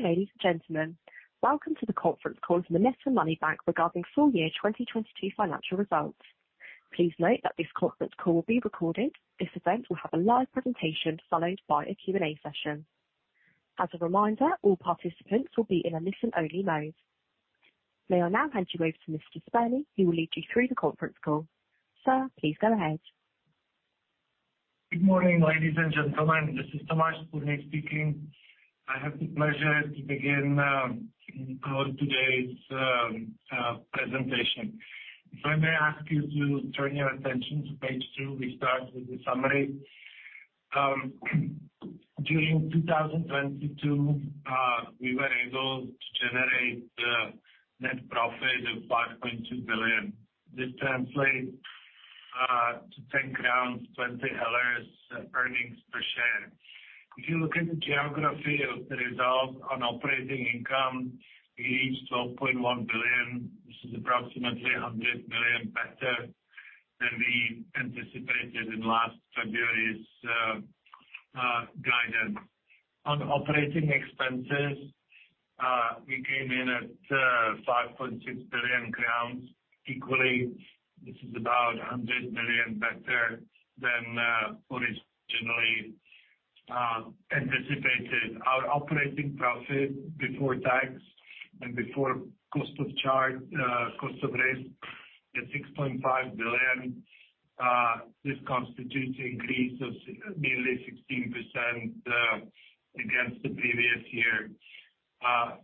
Dear ladies and gentlemen, welcome to the conference call from the MONETA Money Bank regarding Full Year 2022 Financial Results. Please note that this conference call will be recorded. This event will have a live presentation followed by a Q&A session. As a reminder, all participants will be in a listen-only mode. May I now hand you over to Mr. Spurný, who will lead you through the conference call. Sir, please go ahead. Good morning, ladies and gentlemen. This is Tomáš Spurný speaking. I have the pleasure to begin today's presentation. If I may ask you to turn your attention to page two, we start with the summary. During 2022, we were able to generate net profit of 5.2 billion. This translates to 10.20 crowns earnings per share. If you look at the geography of the results on operating income, we reached 12.1 billion. This is approximately 100 million better than we anticipated in last February's guidance. On operating expenses, we came in at 5.6 billion crowns. Equally, this is about 100 billion better than originally anticipated. Our operating profit before tax and before cost of charge, cost of risk is 6.5 billion. This constitutes an increase of nearly 16% against the previous year.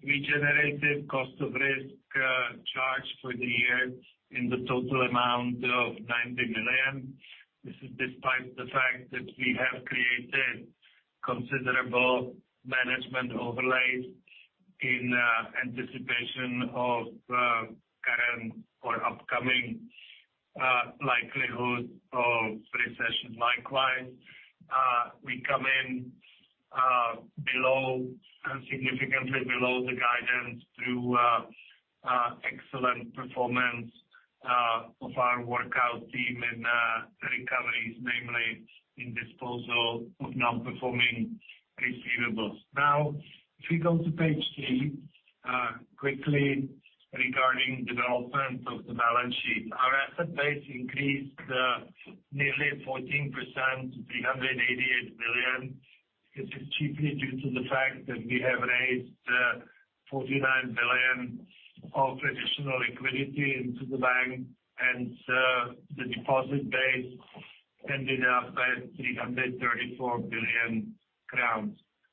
We generated cost of risk charge for the year in the total amount of 90 million. This is despite the fact that we have created considerable management overlays in anticipation of current or upcoming likelihood of recession. Likewise, we come in below, significantly below the guidance through excellent performance of our workout team and the recoveries, namely in disposal of non-performing receivables. If you go to page 3, quickly regarding development of the balance sheet. Our asset base increased nearly 14%, 388 billion. This is chiefly due to the fact that we have raised 49 billion of traditional liquidity into the bank. The deposit base ended up at CZK 334 billion.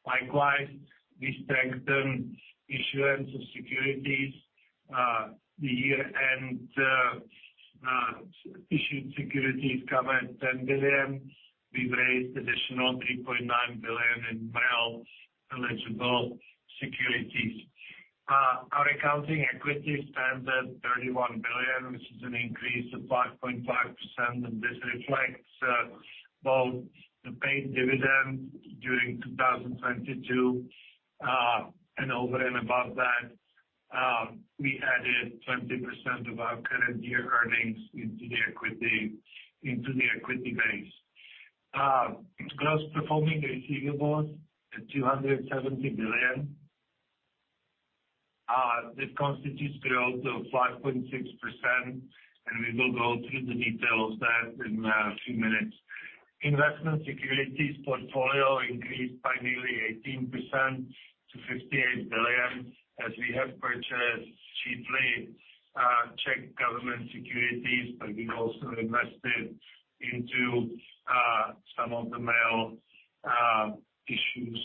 Likewise, we strengthened issuance of securities. The year-end issued securities come at 10 billion. We raised additional 3.9 billion in MREL eligible securities. Our accounting equity stands at 31 billion, which is an increase of 5.5%. This reflects both the paid dividend during 2022, and over and above that, we added 20% of our current year earnings into the equity base. Gross performing receivables at 270 billion. This constitutes growth of 5.6%. We will go through the details of that in a few minutes. Investment securities portfolio increased by nearly 18% to 58 billion, as we have purchased chiefly Czech government securities, but we've also invested into some of the MREL issues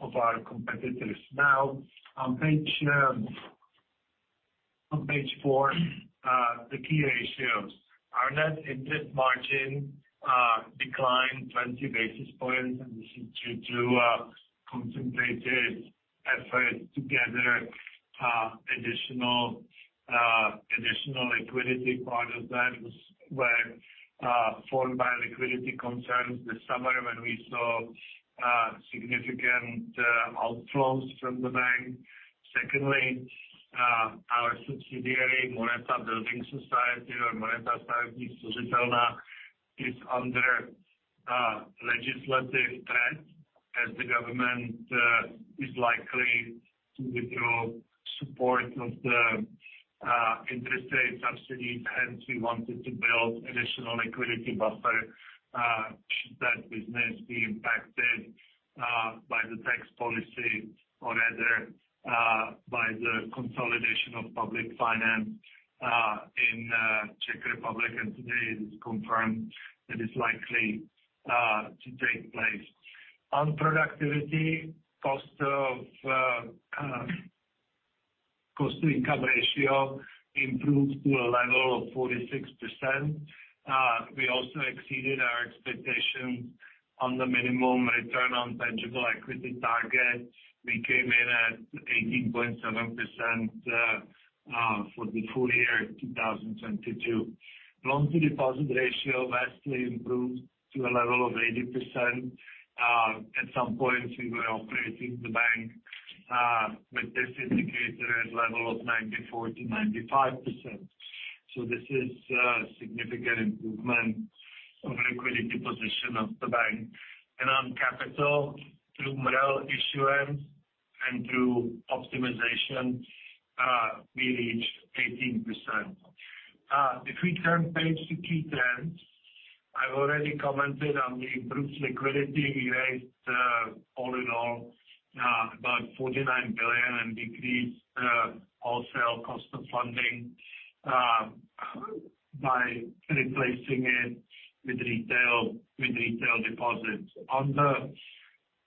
of our competitors. On page four, the key ratios. Our net interest margin declined 20 basis points. This is due to contemplated effort to gather additional liquidity. Part of that were formed by liquidity concerns this summer when we saw significant outflows from the bank. Secondly, our subsidiary, Moneta Building Society or MONETA Stavební spořitelna, is under legislative threat, as the government is likely to withdraw support of the interest rate subsidies. We wanted to build additional liquidity buffer, should that business be impacted by the tax policy or rather, by the consolidation of public finance in Czech Republic. Today it is confirmed that it's likely to take place. On productivity, cost-income ratio improved to a level of 46%. We also exceeded our expectation on the minimum return on tangible equity target. We came in at 18.7% for the full year 2022. Loan-to-deposit ratio vastly improved to a level of 80%. At some point, we were operating the bank with this indicator at level of 94%-95%. This is a significant improvement of liquidity position of the bank. On capital, through MREL issuance and through optimization, we reached 18%. If we turn page to key trends, I've already commented on the improved liquidity. We raised, all in all, about 49 billion, and decreased wholesale cost of funding by replacing it with retail deposits. On the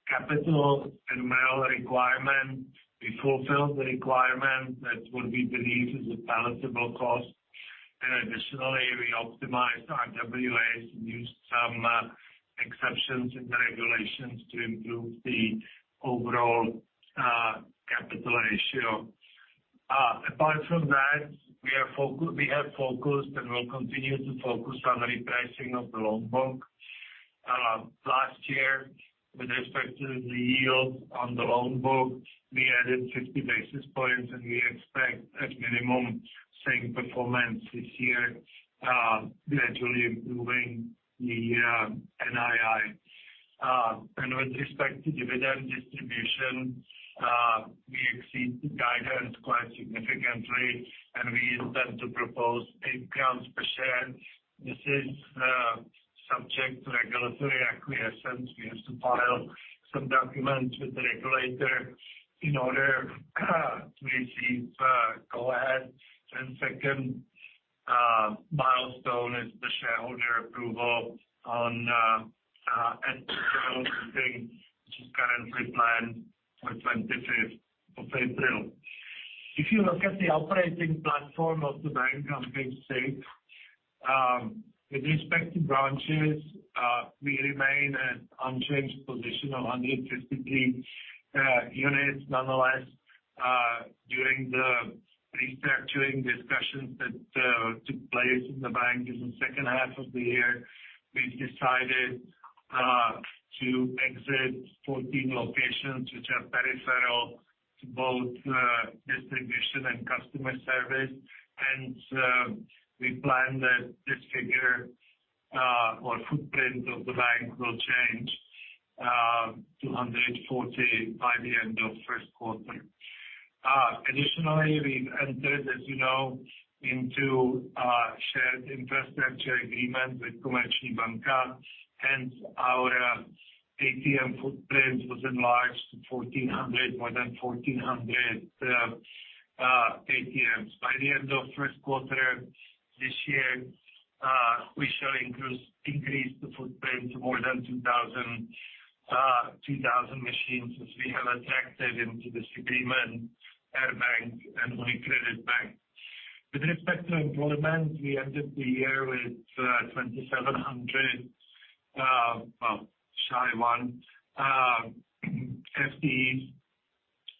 capital and MREL requirement, we fulfilled the requirement that what we believe is a palatable cost. Additionally, we optimized our RWA, used some exceptions in the regulations to improve the overall capital ratio. Apart from that, we have focused and will continue to focus on repricing of the loan book. Last year, with respect to the yield on the loan book, we added 50 basis points, and we expect at minimum same performance this year, gradually improving the NII. With respect to dividend distribution, we exceed the guidance quite significantly, and we intend to propose 8 per share. This is subject to regulatory acquiescence. We have to file some documents with the regulator in order to receive go ahead. Second, milestone is the shareholder approval on at general meeting, which is currently planned for 25th of April. If you look at the operating platform of the bank on page six, with respect to branches, we remain at unchanged position of 153 units. Nonetheless, during the restructuring discussions that took place in the bank in the second half of the year, we've decided to exit 14 locations which are peripheral to both distribution and customer service. We plan that this figure, or footprint of the bank will change to 140 by the end of first quarter. Additionally, we've entered, as you know, into a shared infrastructure agreement with Komerční banka, hence our ATM footprint was enlarged to more than 1,400 ATMs. By the end of first quarter this year, we shall increase the footprint to more than 2,000 machines as we have attracted into this agreement Air Bank and UniCredit Bank. With respect to employment, we ended the year with 2,700, well, Shy 1, FTEs.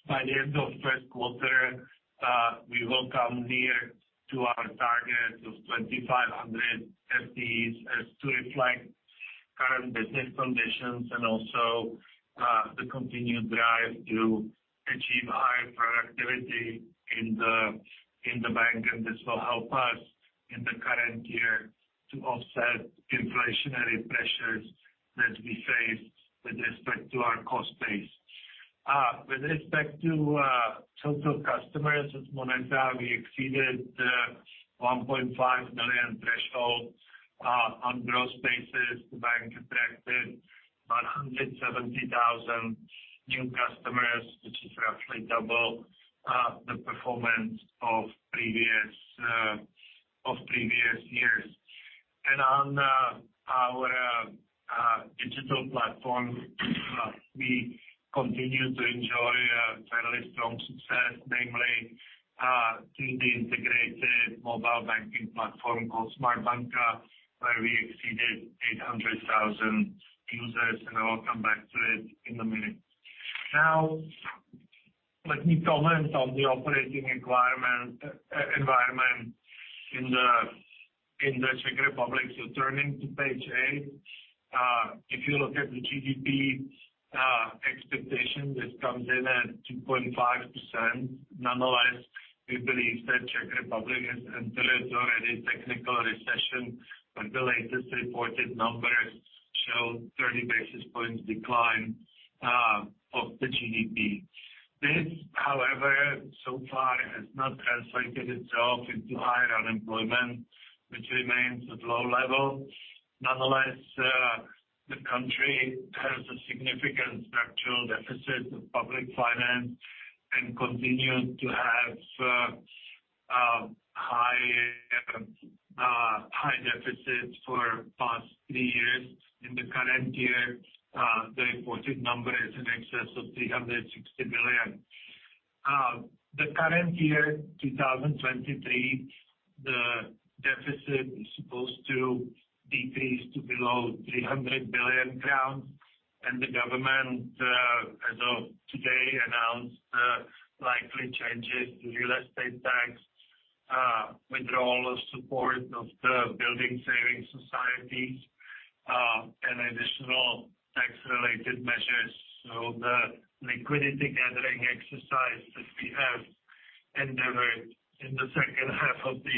By the end of first quarter, we will come near to our target of 2,500 FTEs as to reflect current business conditions and also, the continued drive to achieve higher productivity in the bank. This will help us in the current year to offset inflationary pressures that we face with respect to our cost base. With respect to total customers of MONETA, we exceeded 1.5 million threshold on gross basis. The bank attracted 170,000 new customers, which is roughly double the performance of previous years. On our digital platform, we continue to enjoy a fairly strong success, namely through the integrated mobile banking platform called Smart Banka, where we exceeded 800,000 users, and I'll come back to it in a minute. Now, let me comment on the operating environment in the Czech Republic. Turning to page eight, if you look at the GDP expectation, this comes in at 2.5%. We believe that Czech Republic has entered already technical recession, but the latest reported numbers show 30 basis points decline of the GDP. This, however, so far has not translated itself into higher unemployment, which remains at low level. The country has a significant structural deficit of public finance and continued to have high deficit for past three years. In the current year, the reported number is in excess of 360 billion. The current year, 2023, the deficit is supposed to decrease to below 300 billion crowns, and the government, as of today, announced likely changes to real estate tax, withdrawal of support of the building savings societies, and additional did measures. The liquidity gathering exercise that we have endeavored in the second half of the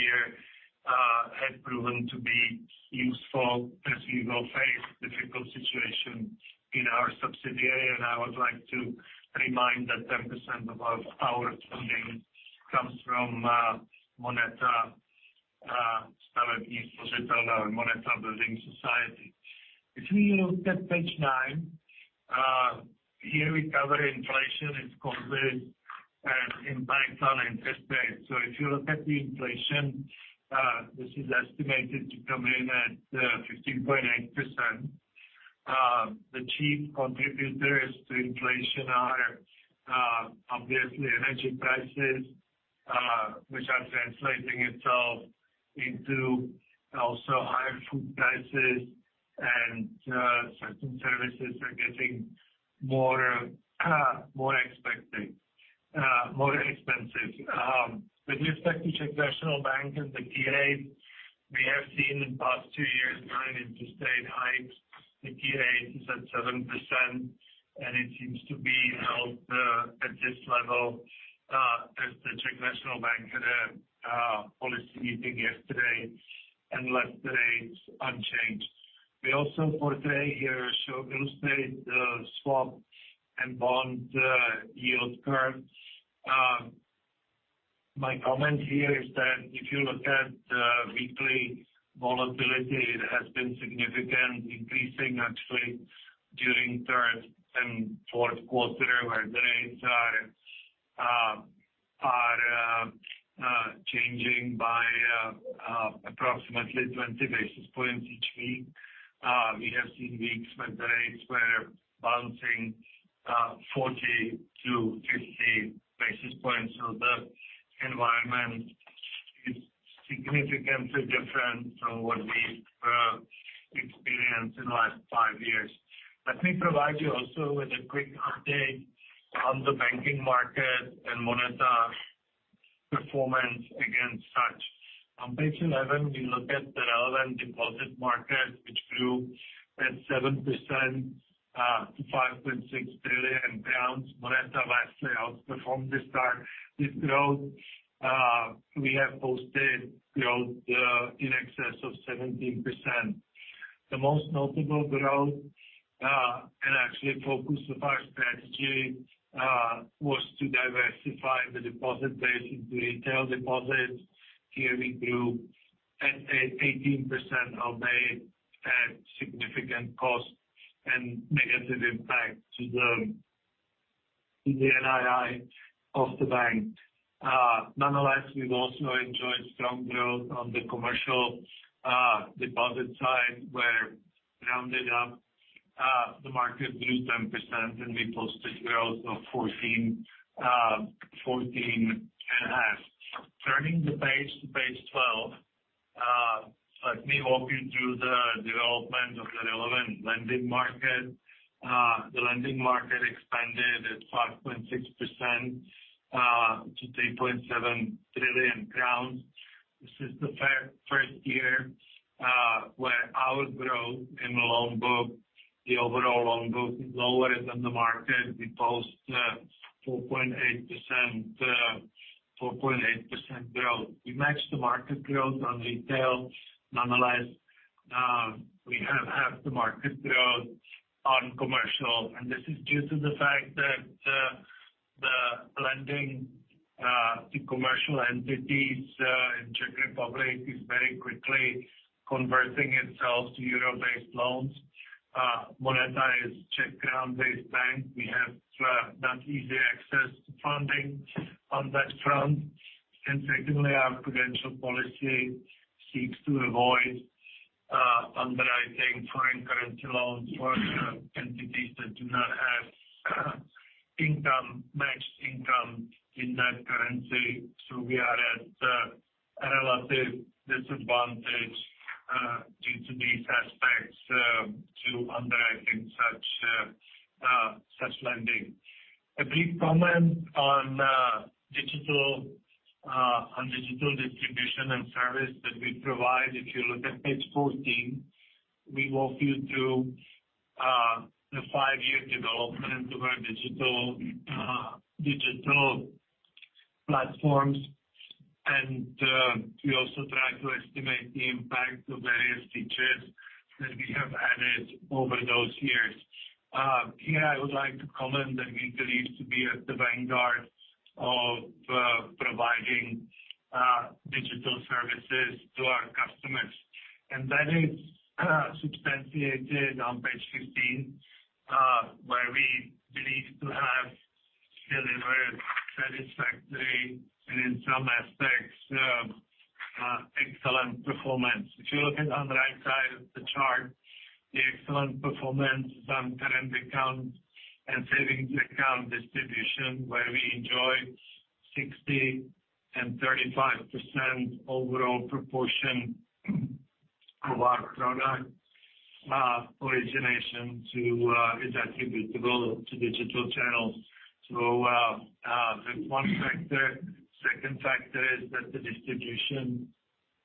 year, had proven to be useful as we will face difficult situation in our subsidiary. I would like to remind that 10% of our funding comes from MONETA. If we look at page nine, here we cover inflation, its complete and impact on interest rates. If you look at the inflation, this is estimated to come in at 15.8%. The chief contributors to inflation are obviously energy prices, which are translating itself into also higher food prices and certain services are getting more expensive. With respect to Czech National Bank and the key rates, we have seen in the past two years nine interest rate hikes. The key rate is at 7%, and it seems to be held at this level, as the Czech National Bank had a policy meeting yesterday, and left the rates unchanged. We also illustrate swap and bond yield curves. My comment here is that if you look at weekly volatility, it has been significant, increasing actually during third and fourth quarter, where the rates are changing by approximately 20 basis points each week. We have seen weeks when the rates were bouncing 40 to 50 basis points. The environment is significantly different from what we experienced in the last five years. Let me provide you also with a quick update on the banking market and MONETA performance against such. On page 11, we look at the relevant deposit market, which grew at 7% to 5.6 billion pounds. MONETA vastly outperformed this target. This growth, we have posted growth in excess of 17%. The most notable growth, and actually focus of our strategy, was to diversify the deposit base into retail deposits. Here we grew at 18% although it had significant cost and negative impact to the NII of the bank. Nonetheless, we've also enjoyed strong growth on the commercial deposit side, where rounded up, the market grew 10% and we posted growth of 14.5%. Turning the page to page 12, let me walk you through the development of the relevant lending market. The lending market expanded at 5.6% to 3.7 trillion crowns. This is the first year where our growth in the loan book, the overall loan book, is lower than the market. We post 4.8% growth. We match the market growth on retail. Nonetheless, we have half the market growth on commercial, and this is due to the fact that the lending to commercial entities in Czech Republic is very quickly converting itself to euro-based loans. MONETA is Czech crown-based bank. We have not easy access to funding on that front. Secondly, our prudential policy seeks to avoid underwriting foreign currency loans for entities that do not have income, matched income in that currency. We are at a relative disadvantage due to these aspects to underwriting such such lending. A brief comment on digital on digital distribution and service that we provide. If you look at page 14, we walk you through the five-year development of our digital digital platforms. We also try to estimate the impact of various features that we have added over those years. Here I would like to comment that we believe to be at the vanguard of providing digital services to our customers, and that is substantiated on page 15, where we believe to have delivered satisfactory and in some aspects excellent performance. If you look at on the right side of the chart, the excellent performance on current accounts and savings account distribution, where we enjoy 60% and 35% overall proportion of our product origination to is attributable to digital channels. That's one factor. Second factor is that the distribution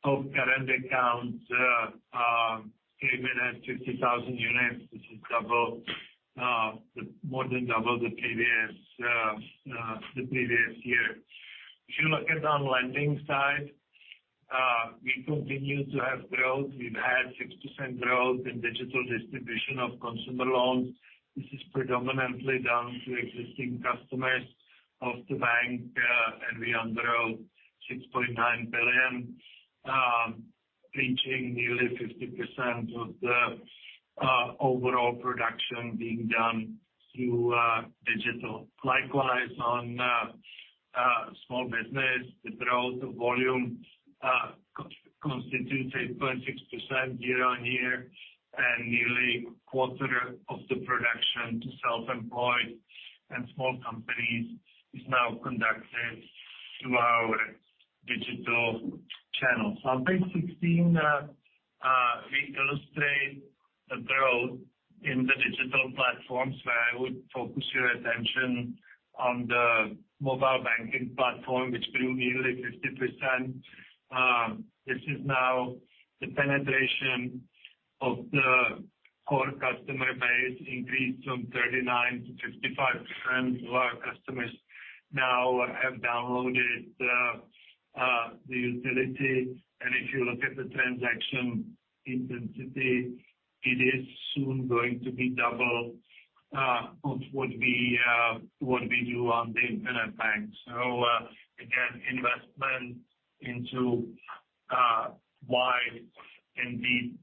of current accounts came in at 60,000 units, which is double, more than double the previous year. If you look at on lending side, we continue to have growth. We've had 60% growth in digital distribution of consumer loans. This is predominantly down to existing customers of the bank, and we underwrote 6.9 billion, reaching nearly 50% of the overall production being done through digital. Likewise, on small business, the growth of volume constitutes 8.6% year on year, and nearly a quarter of the production to self-employed and small companies is now conducted through our digital channels. On page 16, we illustrate the growth in the digital platforms where I would focus your attention on the mobile banking platform, which grew nearly 50%. This is now the penetration of the core customer base increased from 39% to 55% of our customers now have downloaded the utility. And if you look at the transaction intensity, it is soon going to be double of what we do on the internet bank. Again, investment into wide and deep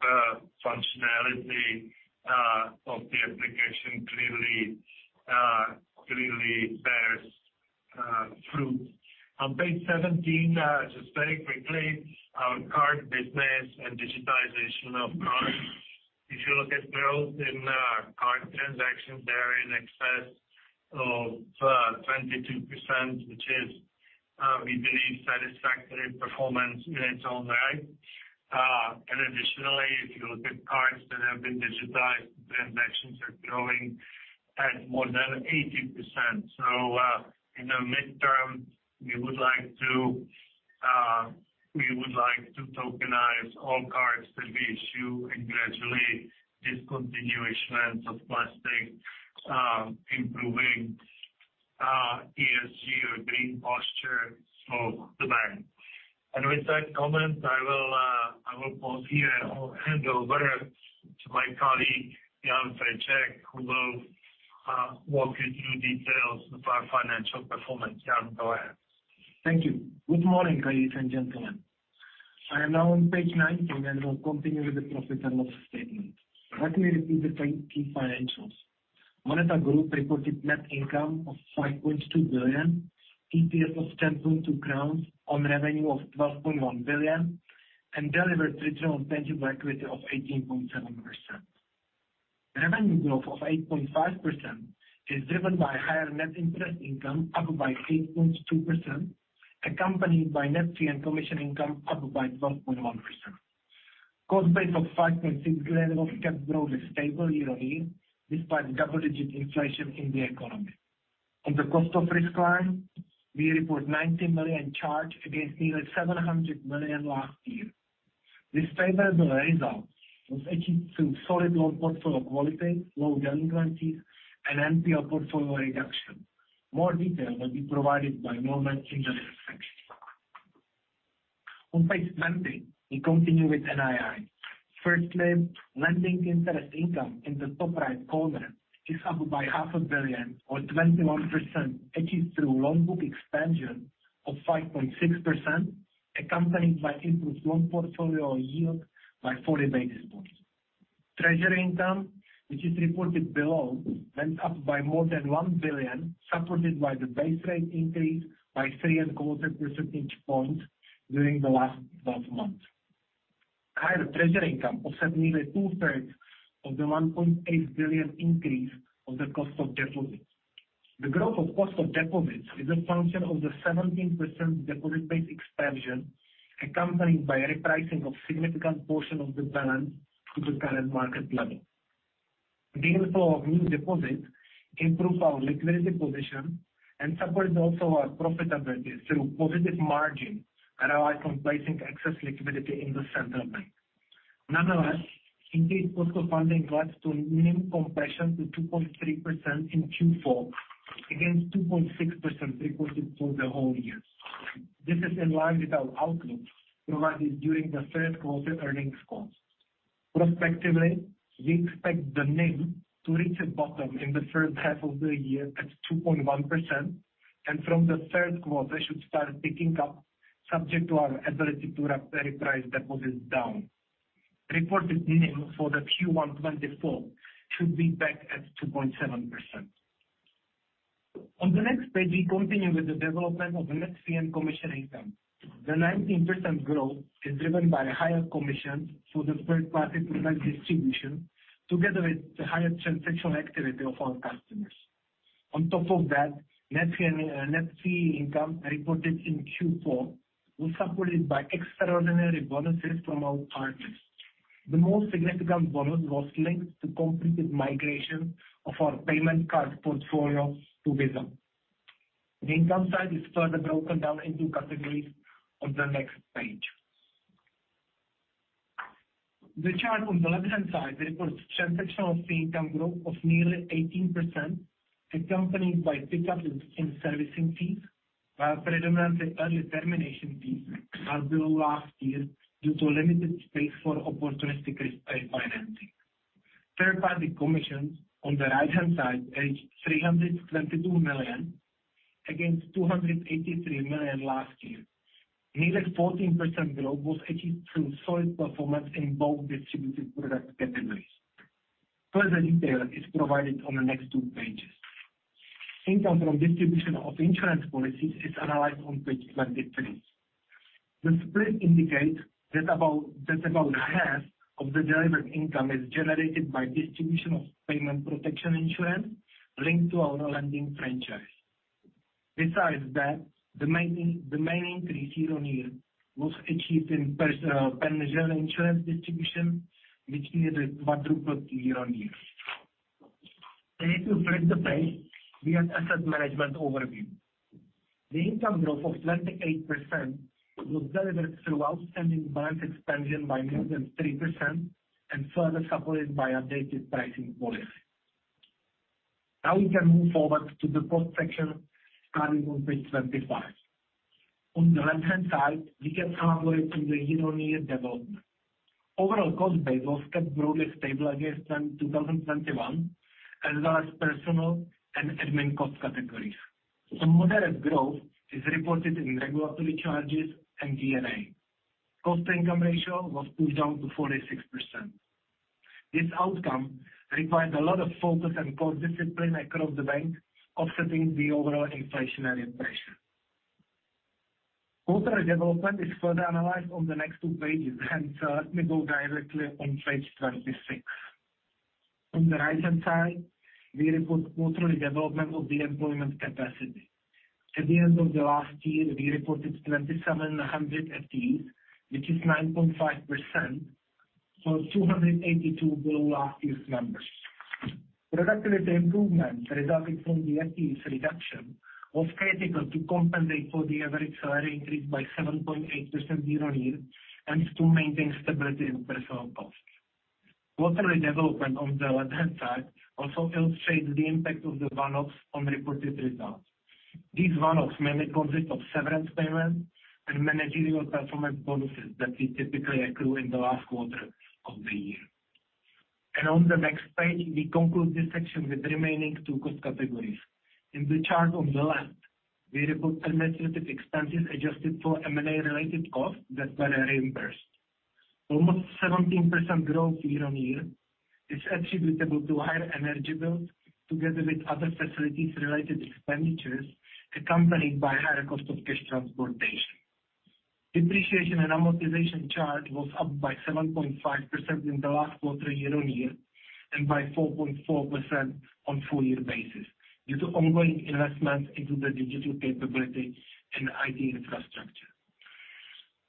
functionality of the application clearly bears fruit. On page 17, just very quickly, our card business and digitalization of cards. If you look at growth in card transactions, they're in excess of 22%, which is, we believe, satisfactory performance in its own right. Additionally, if you look at cards that have been digitized, transactions are growing at more than 80%. In the midterm, we would like to, we would like to tokenize all cards that we issue and gradually discontinue issuance of plastic, improving ESG or green posture of the bank. With that comment, I will pause here or hand over to my colleague, Jan Friček, who will walk you through details of our financial performance. Jan, go ahead. Thank you. Good morning, ladies and gentlemen. I am now on page 19, and I'll continue with the profit and loss statement. Let me repeat the key financials. MONETA Group reported net income of 5.2 billion, EPS of 10.2 crowns on revenue of 12.1 billion, and delivered return on tangible equity of 18.7%. Revenue growth of 8.5% is driven by higher net interest income, up by 8.2%, accompanied by net fee and commission income, up by 12.1%. Cost base of 5.6 billion kept growth stable year-on-year, despite double-digit inflation in the economy. On the cost of risk line, we report 19 million charge against nearly 700 million last year. This favorable result was achieved through solid loan portfolio quality, low delinquencies, and NPL portfolio reduction. More detail will be provided by Normann in the next section. On page 20, we continue with NII. Lending interest income in the top right corner is up by half a billion or 21%, achieved through loan book expansion of 5.6%, accompanied by improved loan portfolio yield by 40 basis points. Treasury income, which is reported below, went up by more than 1 billion, supported by the base rate increase by 3.25 percentage points during the last 12 months. Higher treasury income offset nearly 2/3 of the 1.8 billion increase of the cost of deposits. The growth of cost of deposits is a function of the 17% deposit base expansion, accompanied by repricing of significant portion of the balance to the current market level. The inflow of new deposits improved our liquidity position and supports also our profitability through positive margin realized from placing excess liquidity in the central bank. Nonetheless, increased cost of funding led to NIM compression to 2.3% in Q4 against 2.6% reported for the whole year. This is in line with our outlook provided during the third quarter earnings call. Prospectively, we expect the NIM to reach a bottom in the first half of the year at 2.1%, and from the third quarter should start picking up subject to our ability to reprice deposits down. Reported NIM for the Q1 2024 should be back at 2.7%. On the next page, we continue with the development of net fee and commission income. The 19% growth is driven by higher commissions through the third-party product distribution, together with the higher transactional activity of our customers. On top of that, net fee and net fee income reported in Q4 was supported by extraordinary bonuses from our partners. The most significant bonus was linked to completed migration of our payment card portfolio to Visa. The income side is further broken down into categories on the next page. The chart on the left-hand side reports transactional fee income growth of nearly 18%, accompanied by pickup in fee and servicing fees, while predominantly early termination fees are below last year due to limited space for opportunistic risk-based financing. Third-party commissions on the right-hand side reached 322 million, against 283 million last year. Nearly 14% growth was achieved through solid performance in both distributed product categories. Further detail is provided on the next two pages. Income from distribution of insurance policies is analyzed on page 23. The split indicates that about half of the delivered income is generated by distribution of payment protection insurance linked to our lending franchise. Besides that, the main increase year-on-year was achieved in pension insurance distribution, which nearly quadrupled year-on-year. Turning to flip the page, we have asset management overview. The income growth of 28% was delivered through outstanding balance expansion by more than 3% and further supported by updated pricing policy. We can move forward to the cost section starting on page 25. On the left-hand side, we can highlight the year-on-year development. Overall cost base was kept broadly stable against 2021, as well as personal and admin cost categories. Some moderate growth is reported in regulatory charges and D&A. Cost-income ratio was pushed down to 46%. This outcome required a lot of focus and cost discipline across the bank, offsetting the overall inflationary pressure. Quarterly development is further analyzed on the next two pages, let me go directly on page 26. On the right-hand side, we report quarterly development of the employment capacity. At the end of the last year, we reported 2,700 FTEs, which is 9.5%, or 282 below last year's numbers. Productivity improvements resulting from the FTEs reduction was critical to compensate for the average salary increase by 7.8% year-on-year, to maintain stability in personnel costs. Quarterly development on the left-hand side also illustrates the impact of the one-offs on reported results. These one-offs mainly consist of severance payments and managerial performance bonuses that we typically accrue in the last quarter of the year. On the next page, we conclude this section with remaining two cost categories. In the chart on the left, we report administrative expenses adjusted for M&A-related costs that were reimbursed. Almost 17% growth year-on-year is attributable to higher energy bills together with other facilities related expenditures, accompanied by higher cost of cash transportation. Depreciation and amortization charge was up by 7.5% in the last quarter year-on-year, and by 4.4% on full year basis, due to ongoing investments into the digital capability and IT infrastructure.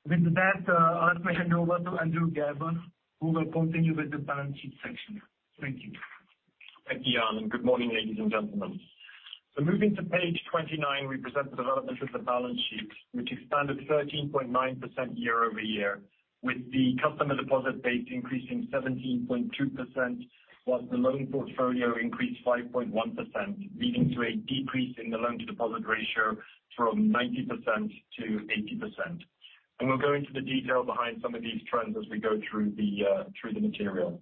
With that, I'll hand over to Andrew Gerber, who will continue with the balance sheet section. Thank you. Thank you, Jan. Good morning, ladies and gentlemen. Moving to page 29, we present the development of the balance sheet, which expanded 13.9% year-over-year, with the customer deposit base increasing 17.2%, whilst the loan portfolio increased 5.1%, leading to a decrease in the loan-to-deposit ratio from 90% to 80%. We'll go into the detail behind some of these trends as we go through the material.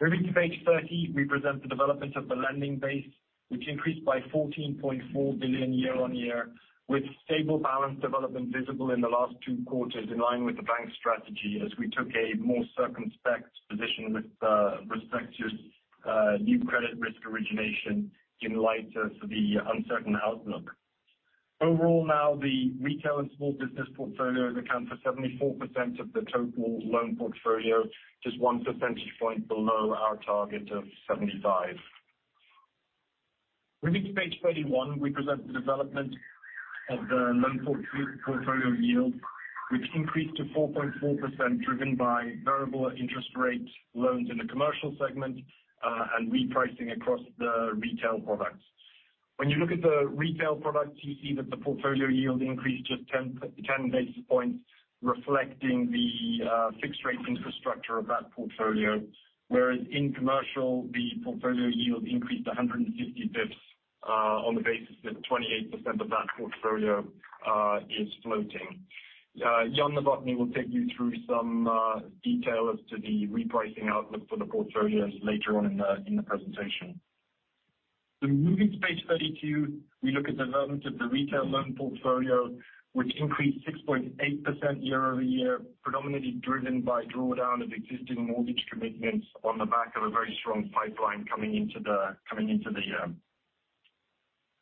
Moving to page 30, we present the development of the lending base, which increased by 14.4 billion year-on-year, with stable balance development visible in the last two quarters, in line with the bank strategy, as we took a more circumspect position with respect to new credit risk origination in light of the uncertain outlook. Overall now, the retail and small business portfolios account for 74% of the total loan portfolio, just 1 percentage point below our target of 75. Moving to page 31, we present the development of the loan portfolio yield, which increased to 4.4%, driven by variable interest rate loans in the commercial segment and repricing across the retail products. When you look at the retail products, you see that the portfolio yield increased just 10 basis points, reflecting the fixed rate infrastructure of that portfolio. Whereas in commercial, the portfolio yield increased 150 basis points on the basis that 28% of that portfolio is floating. Jan Novotný will take you through some detail as to the repricing outlook for the portfolios later on in the presentation. Moving to page 32, we look at development of the retail loan portfolio, which increased 6.8% year-over-year, predominantly driven by drawdown of existing mortgage commitments on the back of a very strong pipeline coming into the, coming into the.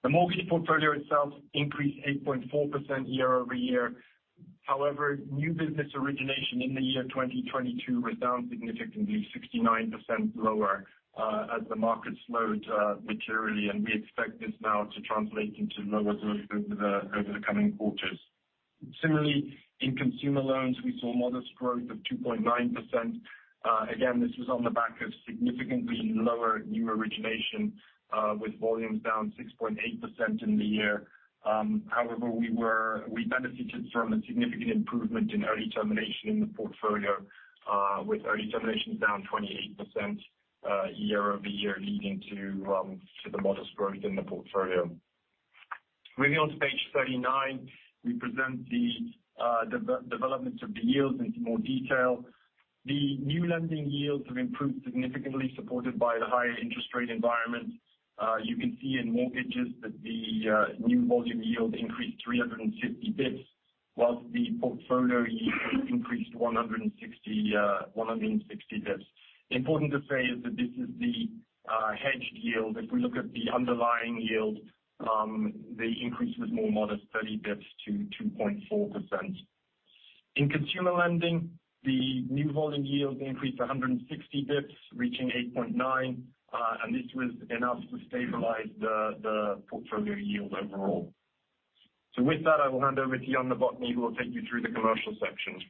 The mortgage portfolio itself increased 8.4% year-over-year. However, new business origination in the year 2022 was down significantly 69% lower, as the market slowed materially, and we expect this now to translate into lower growth over the coming quarters. Similarly, in consumer loans, we saw modest growth of 2.9%. Again, this was on the back of significantly lower new origination, with volumes down 6.8% in the year. However, we benefited from a significant improvement in early termination in the portfolio, with early terminations down 28% year-over-year, leading to the modest growth in the portfolio. Moving on to page 39, we present the development of the yields into more detail. The new lending yields have improved significantly, supported by the higher interest rate environment. You can see in mortgages that the new volume yield increased 350 basis points, whilst the portfolio yield increased 160 basis points. Important to say is that this is the hedged yield. If we look at the underlying yield, the increase was more modest, 30 basis points to 2.4%. In consumer lending, the new volume yield increased 160 basis points, reaching 8.9. This was enough to stabilize the portfolio yield overall. With that, I will hand over to Jan Novotný, who will take you through the commercial section.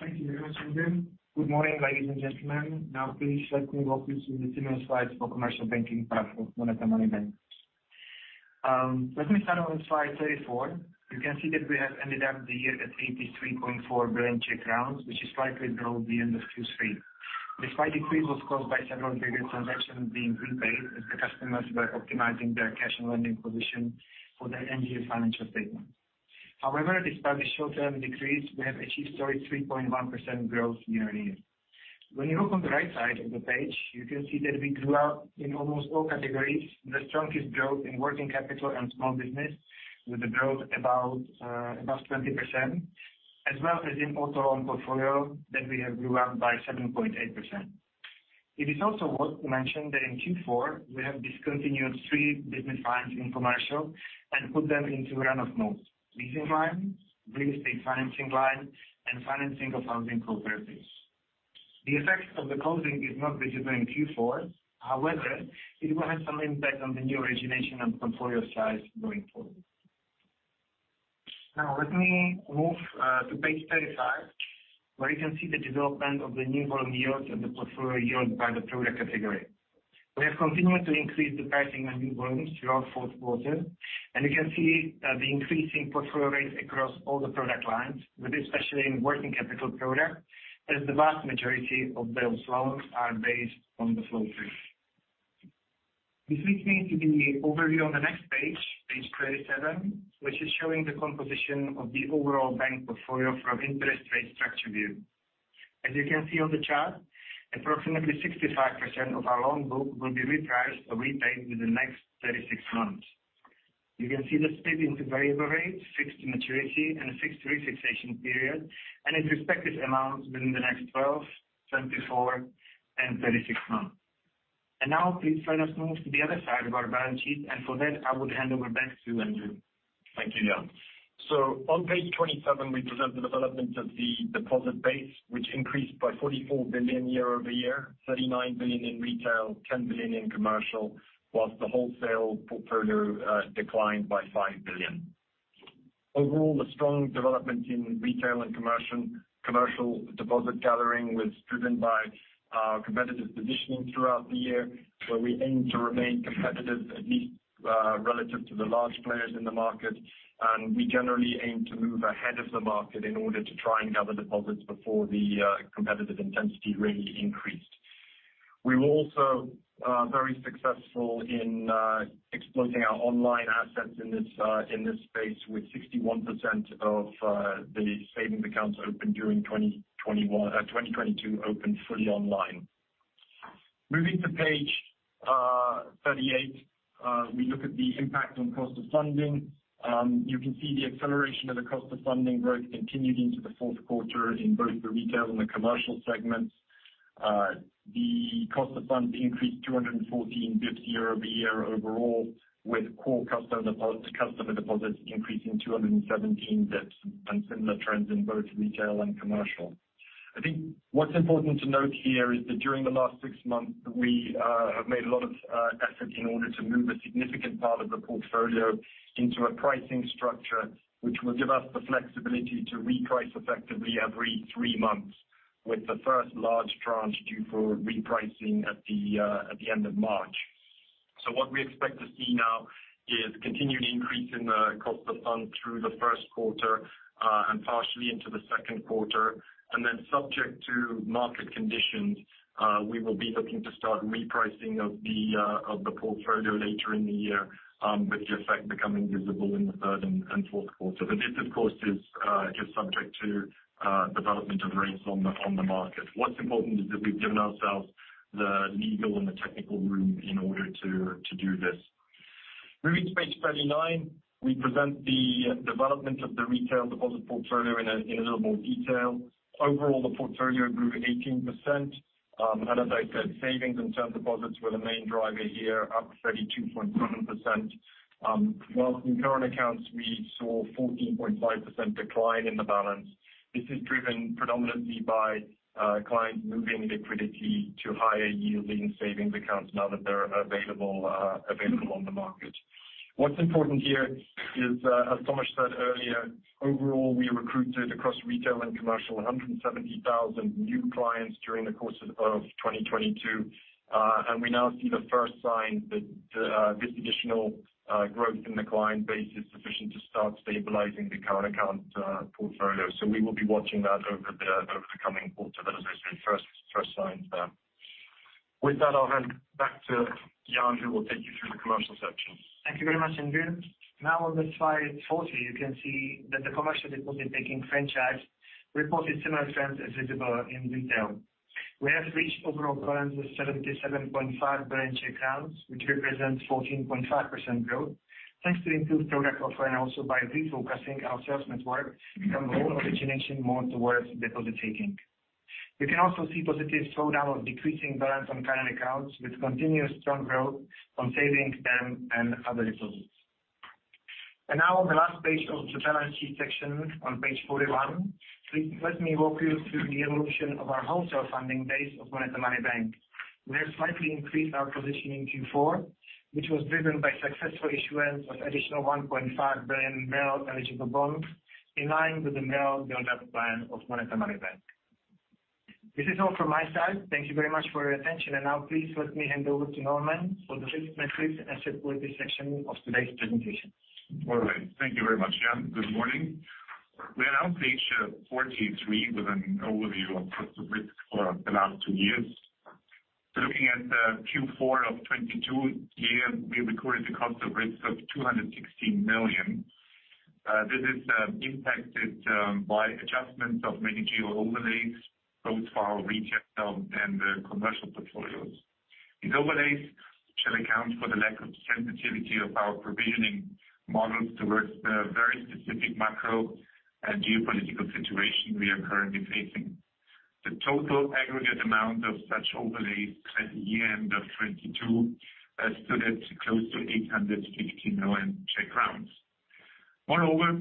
Thank you very much, Andrew. Good morning, ladies and gentlemen. Please let me walk you through the similar slides for commercial banking part of MONETA Money Bank. Let me start on slide 34. You can see that we have ended up the year at 83.4 billion, which is slightly below the end of Q3. This slight decrease was caused by several bigger transactions being repaid as the customers were optimizing their cash and lending position for their end-year financial statement. Despite the short-term decrease, we have achieved 33.1% growth year on year. You look on the right side of the page, you can see that we grew up in almost all categories. The strongest growth in working capital and small business with a growth about 20% as well as in auto loan portfolio that we have grew up by 7.8%. It is also worth to mention that in Q4, we have discontinued three business lines in commercial and put them into run of mode. Leasing line, real estate financing line, and financing of housing cooperatives. The effect of the closing is not visible in Q4. However, it will have some impact on the new origination and portfolio size going forward. Now, let me move to page 35, where you can see the development of the new volume yields and the portfolio yield by the product category. We have continued to increase the pricing on new volumes throughout fourth quarter, and you can see the increase in portfolio rates across all the product lines, but especially in working capital product, as the vast majority of those loans are based on the float rate. This leads me to give the overview on the next page 27, which is showing the composition of the overall bank portfolio from interest rate structure view. You can see on the chart, approximately 65% of our loan book will be repriced or repaid within the next 36 months. You can see the split into variable rate, fixed maturity, and a fixed re-fixation period, and its respective amounts within the next 12, 24, and 36 months. Now, please let us move to the other side of our balance sheet, and for that, I would hand over back to Andrew. Thank you, Jan. On page 27, we present the development of the deposit base, which increased by 44 billion year-over-year, 39 billion in retail, 10 billion in commercial, whilst the wholesale portfolio declined by 5 billion. Overall, the strong development in retail and commercial deposit gathering was driven by competitive positioning throughout the year, where we aim to remain competitive, at least, relative to the large players in the market. We generally aim to move ahead of the market in order to try and gather deposits before the competitive intensity really increased. We were also very successful in exploiting our online assets in this space with 61% of the savings accounts opened during 2022 opened fully online. Moving to page 38, we look at the impact on cost of funding. You can see the acceleration of the cost of funding growth continued into the fourth quarter in both the retail and the commercial segments. The cost of funds increased 214 bits year-over-year overall, with core customer deposits increasing 217 bits and similar trends in both retail and commercial. I think what's important to note here is that during the last six months, we have made a lot of effort in order to move a significant part of the portfolio into a pricing structure, which will give us the flexibility to reprice effectively every three months with the first large tranche due for repricing at the end of March. What we expect to see now is continued increase in the cost of funds through the first quarter and partially into the second quarter. Subject to market conditions, we will be looking to start repricing of the portfolio later in the year, with the effect becoming visible in the third and fourth quarter. This, of course, is subject to development of rates on the market. What's important is that we've given ourselves the legal and the technical room in order to do this. Moving to page 39, we present the development of the retail deposit portfolio in a little more detail. Overall, the portfolio grew 18%. As I said, savings and term deposits were the main driver here, up 32.7%. Whilst in current accounts, we saw 14.5% decline in the balance. This is driven predominantly by clients moving liquidity to higher yielding savings accounts now that they're available on the market. What's important here is, as Tomáš said earlier, overall, we recruited across retail and commercial 170,000 new clients during the course of 2022. We now see the first sign that this additional growth in the client base is sufficient to start stabilizing the current account portfolio. We will be watching that over the coming quarter. As I said, first signs there. With that, I'll hand back to Jan, who will take you through the commercial section. Thank you very much, Andrew. On slide 40, you can see that the commercial deposit-taking franchise reported similar trends as visible in retail. We have reached overall balance of 77.5 billion Czech crowns, which represents 14.5% growth. Thanks to improved product offering, also by refocusing our sales network from loan origination more towards deposit-taking. You can also see positive slowdown of decreasing balance on current accounts with continuous strong growth on savings and other deposits. Now on the last page of the balance sheet section on page 41, let me walk you through the evolution of our wholesale funding base of MONETA Money Bank. We have slightly increased our position in Q4, which was driven by successful issuance of additional 1.5 billion MREL-eligible bonds in line with the MREL build-up plan of MONETA Money Bank. This is all from my side. Thank you very much for your attention. Now please let me hand over to Normann for the risk metrics and security section of today's presentation. All right. Thank you very much, Jan. Good morning. We are now on page 43 with an overview of cost of risk for the last two years. Looking at Q4 of 2022, here we recorded the cost of risk of 216 million. This is impacted by adjustments of management overlays both for our retail and the commercial portfolios. These overlays shall account for the lack of sensitivity of our provisioning models towards the very specific macro and geopolitical situation we are currently facing. The total aggregate amount of such overlays at the end of 2022 stood at close to 850 million. Moreover,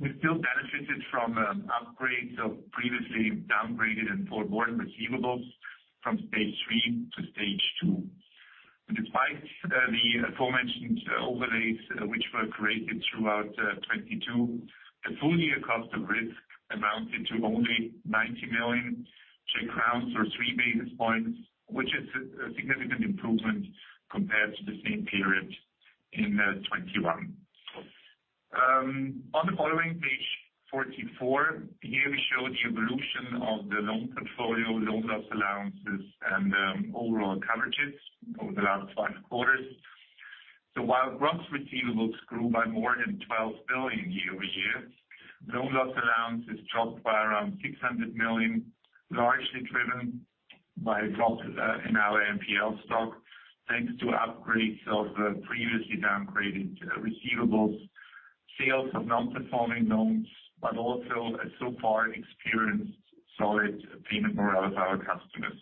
we still benefited from upgrades of previously downgraded and poor loan receivables from stage three to stage two. Despite the aforementioned overlays which were created throughout 2022, the full year cost of risk amounted to only 90 million Czech crowns or 3 basis points, which is a significant improvement compared to the same period in 2021. On the following page 44, here we show the evolution of the loan portfolio, loan loss allowances, and overall coverages over the last five quarters. While gross receivables grew by more than 12 billion year-over-year, loan loss allowances dropped by around 600 million, largely driven by drops in our NPL stock, thanks to upgrades of previously downgraded receivables, sales of non-performing loans, but also a so far experienced solid payment morale of our customers.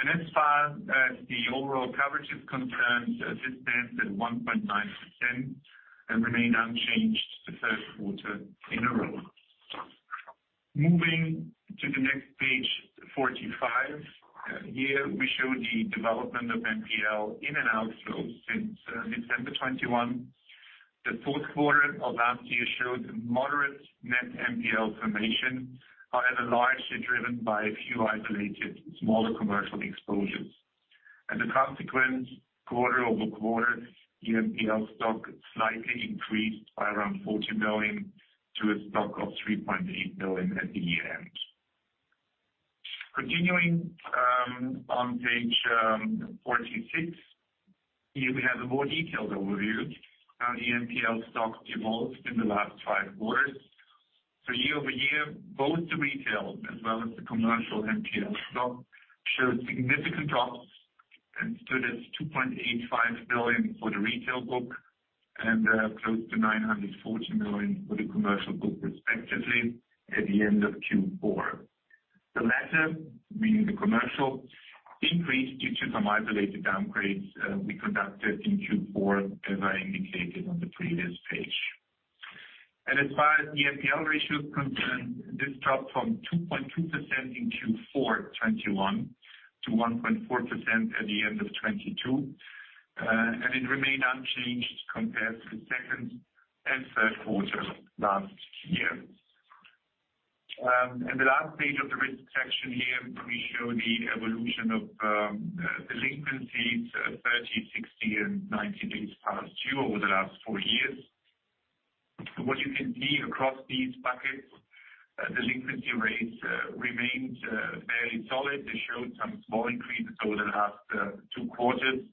As far as the overall coverage is concerned, this stands at 1.9% and remain unchanged the third quarter in a row. Moving to the next page, 45. Here we show the development of NPL in and out flows since December 2021. The fourth quarter of last year showed moderate net NPL formation, however, largely driven by a few isolated smaller commercial exposures. As a consequence, quarter-over-quarter, the NPL stock slightly increased by around 40 million to a stock of 3.8 million at the year-end. Continuing on page 46, here we have a more detailed overview how the NPL stock evolved in the last five quarters. Year-over-year, both the retail as well as the commercial NPL stock showed significant drops and stood at 2.85 billion for the retail book and close to 940 million for the commercial book respectively at the end of Q4. The latter, meaning the commercial, increased due to some isolated downgrades we conducted in Q4, as I indicated on the previous page. As far as the NPL ratio is concerned, this dropped from 2.2% in Q4 2021 to 1.4% at the end of 2022. It remained unchanged compared to the second and third quarter last year. The last page of the risk section here, we show the evolution of delinquencies 30, 60, and 90 days past due over the last four years. What you can see across these buckets, delinquency rates remained fairly solid. They showed some small increase over the last two quarters,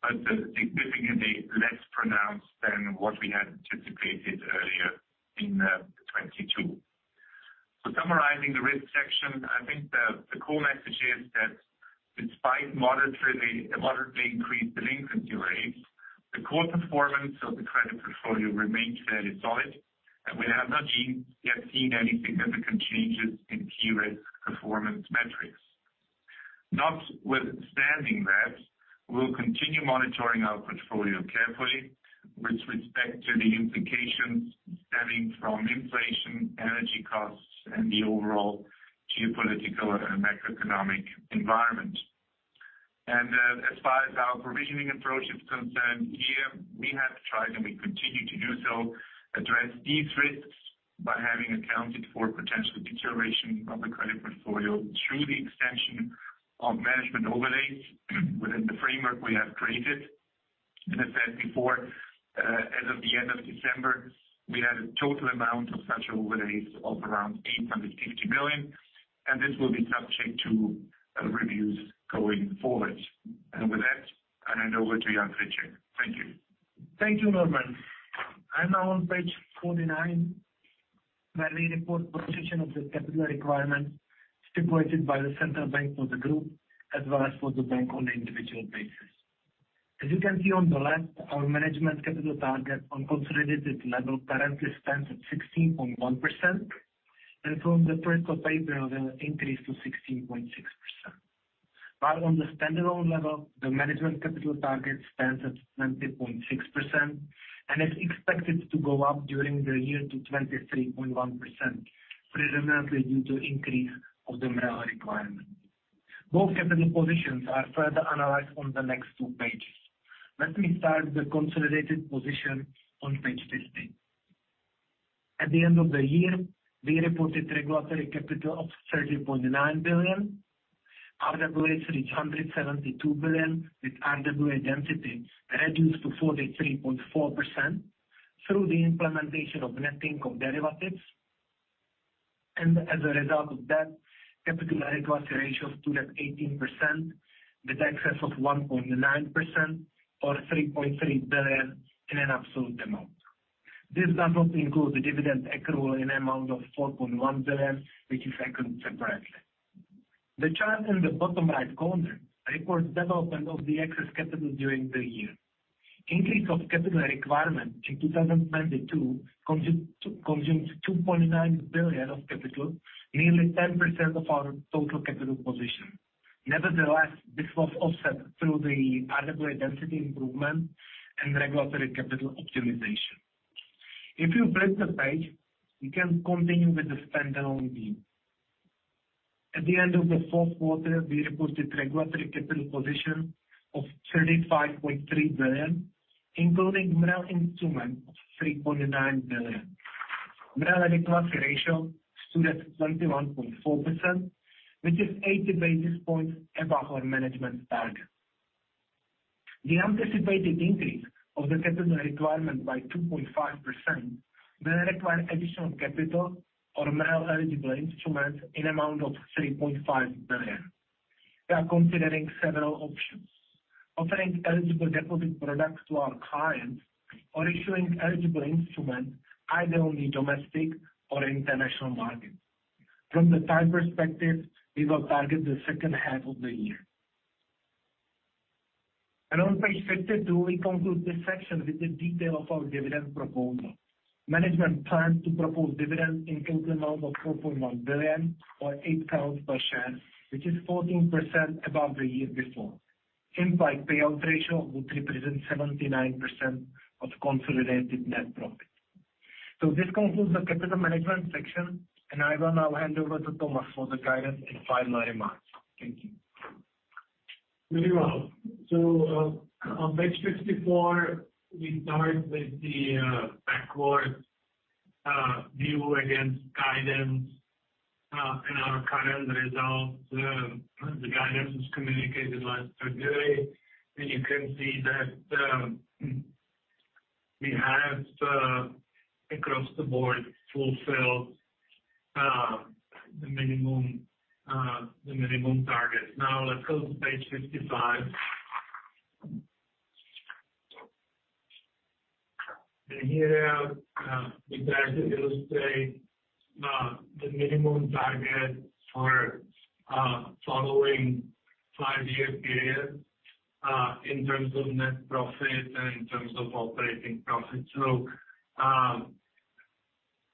but significantly less pronounced than what we had anticipated earlier in 2022. Summarizing the risk section, I think the core message is that despite moderately increased delinquency rates, the core performance of the credit portfolio remains fairly solid, and we have not yet seen any significant changes in key risk performance metrics. Notwithstanding that, we'll continue monitoring our portfolio carefully with respect to the implications stemming from inflation, energy costs, and the overall geopolitical and macroeconomic environment. As far as our provisioning approach is concerned, here we have tried, and we continue to do so, address these risks by having accounted for potential deterioration of the credit portfolio through the extension of management overlays within the framework we have created. I said before, as of the end of December, we had a total amount of such overlays of around 850 million, and this will be subject to reviews going forward. With that, I hand over to Jan Friček. Thank you. Thank you, Normann. I'm now on page 49, where we report position of the capital requirement stipulated by the central bank for the group as well as for the bank on individual basis. As you can see on the left, our management capital target on consolidated level currently stands at 16.1%. From the first of April, it will increase to 16.6%. On the standalone level, the management capital target stands at 20.6%, and it's expected to go up during the year to 23.1%, predominantly due to increase of the MREL requirement. Both capital positions are further analyzed on the next two pages. Let me start with the consolidated position on page 50. At the end of the year, we reported regulatory capital of 30.9 billion. RWA 372 billion, with RWA density reduced to 43.4% through the implementation of netting of derivatives. As a result of that, capital adequacy ratio stood at 18%, with excess of 1.9% or 3.3 billion in an absolute amount. This does not include the dividend accrual in amount of 4.1 billion, which is accounted separately. The chart in the bottom right corner reports development of the excess capital during the year. Increase of capital requirement in 2022 consumes 2.9 billion of capital, nearly 10% of our total capital position. Nevertheless, this was offset through the RWA density improvement and regulatory capital optimization. If you flip the page, we can continue with the standalone view. At the end of the fourth quarter, we reported regulatory capital position of 35.3 billion, including MREL instrument of 3.9 billion. MREL adequacy ratio stood at 21.4%, which is 80 basis points above our management target. The anticipated increase of the capital requirement by 2.5% will require additional capital or MREL-eligible instruments in amount of 3.5 billion. We are considering several options: offering eligible deposit products to our clients or issuing eligible instruments either on the domestic or international market. From the time perspective, we will target the second half of the year. On page 52, we conclude this section with the detail of our dividend proposal. Management plans to propose dividend in total amount of 4.1 billion or 8 koruna per share, which is 14% above the year before. Implied payout ratio would represent 79% of consolidated net profit. This concludes the capital management section, and I will now hand over to Tomáš for the guidance and final remarks. Thank you. Very well. On page 54, we start with the backwards view against guidance and our current results. The guidance was communicated last Thursday, and you can see that we have across the board fulfilled the minimum target. Now let's go to page 55. Here, we try to illustrate the minimum target for following five-year period in terms of net profit and in terms of operating profit.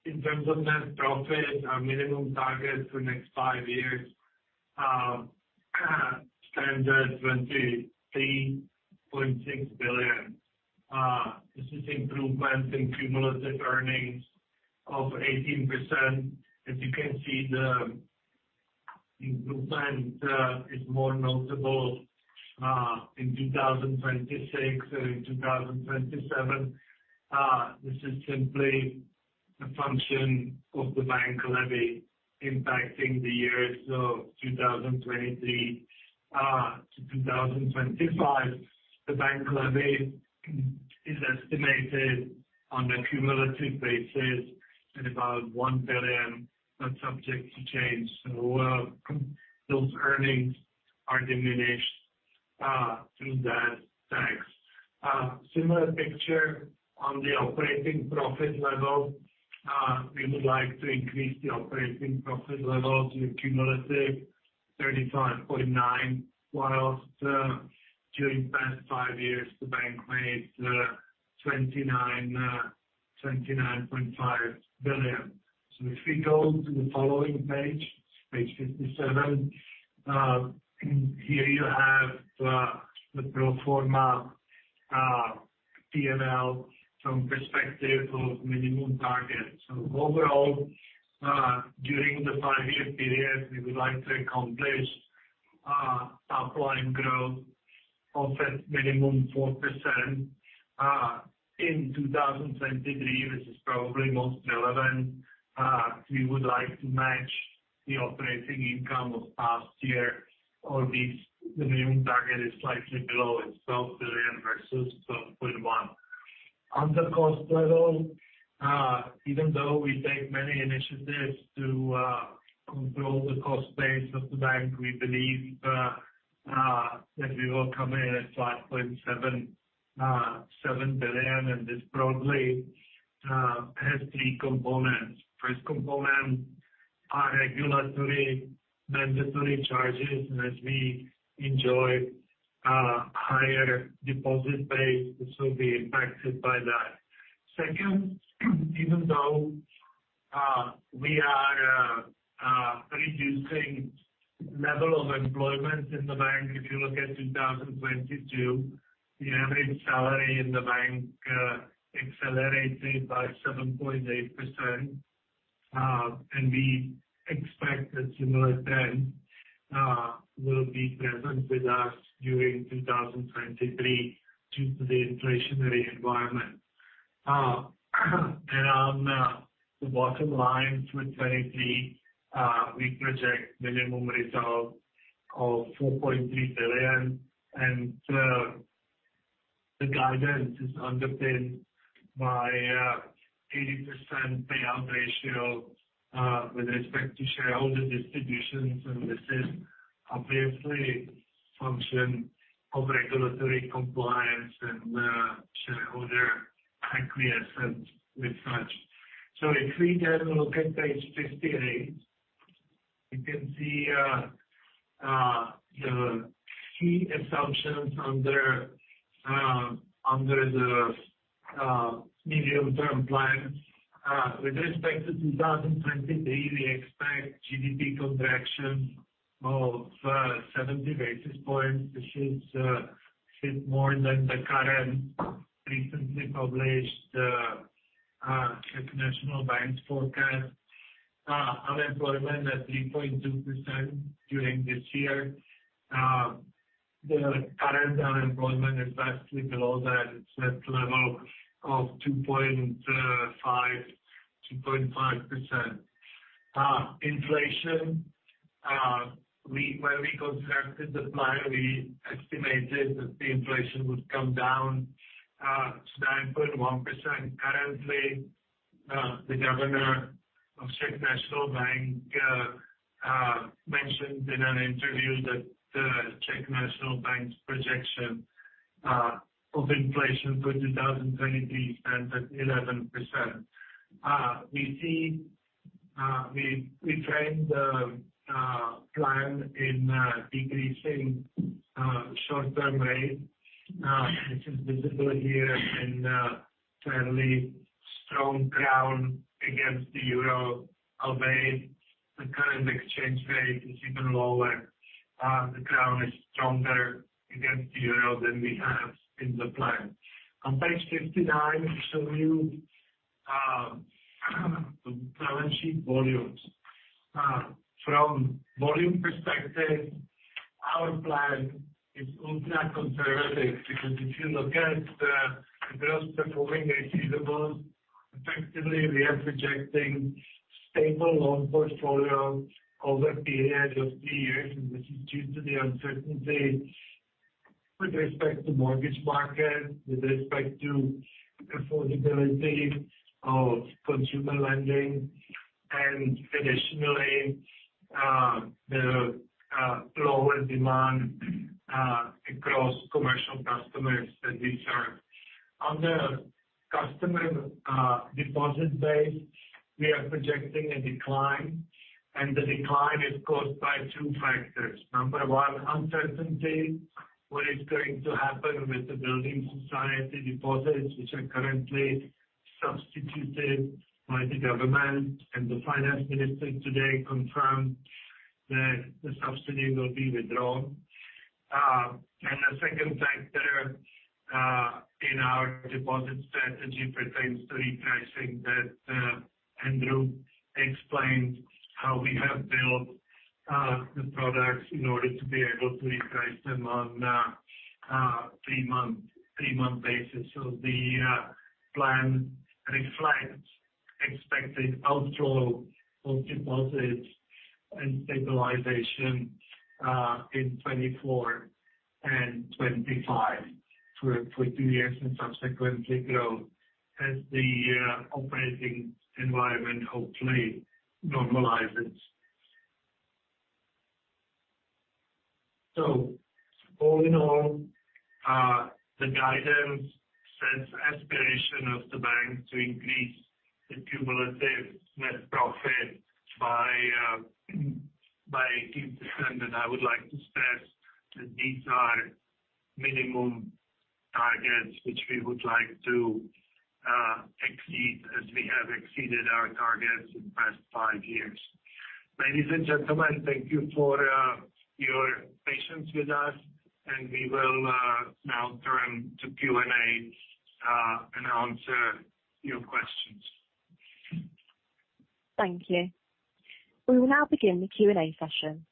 In terms of net profit, our minimum target for next five years stands at 23.6 billion. This is improvement in cumulative earnings of 18%. As you can see, the improvement is more notable in 2026 and in 2027. This is simply a function of the bank levy impacting the years of 2023 to 2025. The bank levy is estimated on a cumulative basis at about 1 billion, not subject to change. Those earnings are diminished through that tax. Similar picture on the operating profit level. We would like to increase the operating profit level to a cumulative 35.9 billion, whilst during past five years, the bank made 29.5 billion. If we go to the following page 57, here you have the pro forma PNL from perspective of minimum target. Overall, during the five-year period, we would like to accomplish top line growth of at minimum 4% in 2023, this is probably most relevant. We would like to match the operating income of past year or at least the minimum target is slightly below itself, billion versus CZK 12.1 billion. On the cost level, even though we take many initiatives to control the cost base of the bank, we believe that we will come in at 5.7 billion, and this probably has three components. First component are regulatory mandatory charges. As we enjoy higher deposit base, this will be impacted by that. Second, even though we are reducing level of employment in the bank, if you look at 2022, the average salary in the bank accelerated by 7.8%. And we expect a similar trend will be present with us during 2023 due to the inflationary environment. On the bottom line, 2023, we project minimum result of 4.3 billion. The guidance is underpinned by 80% payout ratio with respect to shareholder distributions. This is obviously function of regulatory compliance and shareholder acquiescence with such. If we then look at page 58, you can see the key assumptions under the medium term plan. With respect to 2023, we expect GDP contraction of 70 basis points, which is more than the current recently published Czech National Bank's forecast. Unemployment at 3.2% during this year. The current unemployment is vastly below that. It's at level of 2.5%. Inflation, when we constructed the plan, we estimated that the inflation would come down to 9.1%. Currently, the governor of Czech National Bank mentioned in an interview that the Czech National Bank's projection of inflation for 2023 stands at 11%. We see, we framed the plan in decreasing short-term rates, which is visible here in fairly strong crown against the euro of late. The current exchange rate is even lower. The crown is stronger against the euro than we have in the plan. On page 59, we show you the balance sheet volumes. From volume perspective, our plan is ultra-conservative, because if you look at the gross performing and receivables, effectively, we are projecting stable loan portfolio over a period of three years, and this is due to the uncertainty with respect to mortgage market, with respect to affordability of consumer lending, and additionally, the lower demand across commercial customers that we serve. On the customer deposit base, we are projecting a decline, and the decline is caused by two factors. Number one, uncertainty, what is going to happen with the Building Society deposits, which are currently substituted by the government, and the finance minister today confirmed that the subsidy will be withdrawn. The second factor in our deposit strategy pertains to repricing that Andrew explained how we have built the products in order to be able to reprice them on a three-month basis. The plan reflects expected outflow of deposits and stabilization in 2024 and 2025 for two years, and subsequently growth as the operating environment hopefully normalizes. All in all, the guidance says aspiration of the bank to increase the cumulative net profit by 18%, and I would like to stress that these are minimum targets which we would like to exceed as we have exceeded our targets in the past five years. Ladies and gentlemen, thank you for your patience with us, and we will now turn to Q&A and answer your questions. Thank you. We will now begin the Q&A session.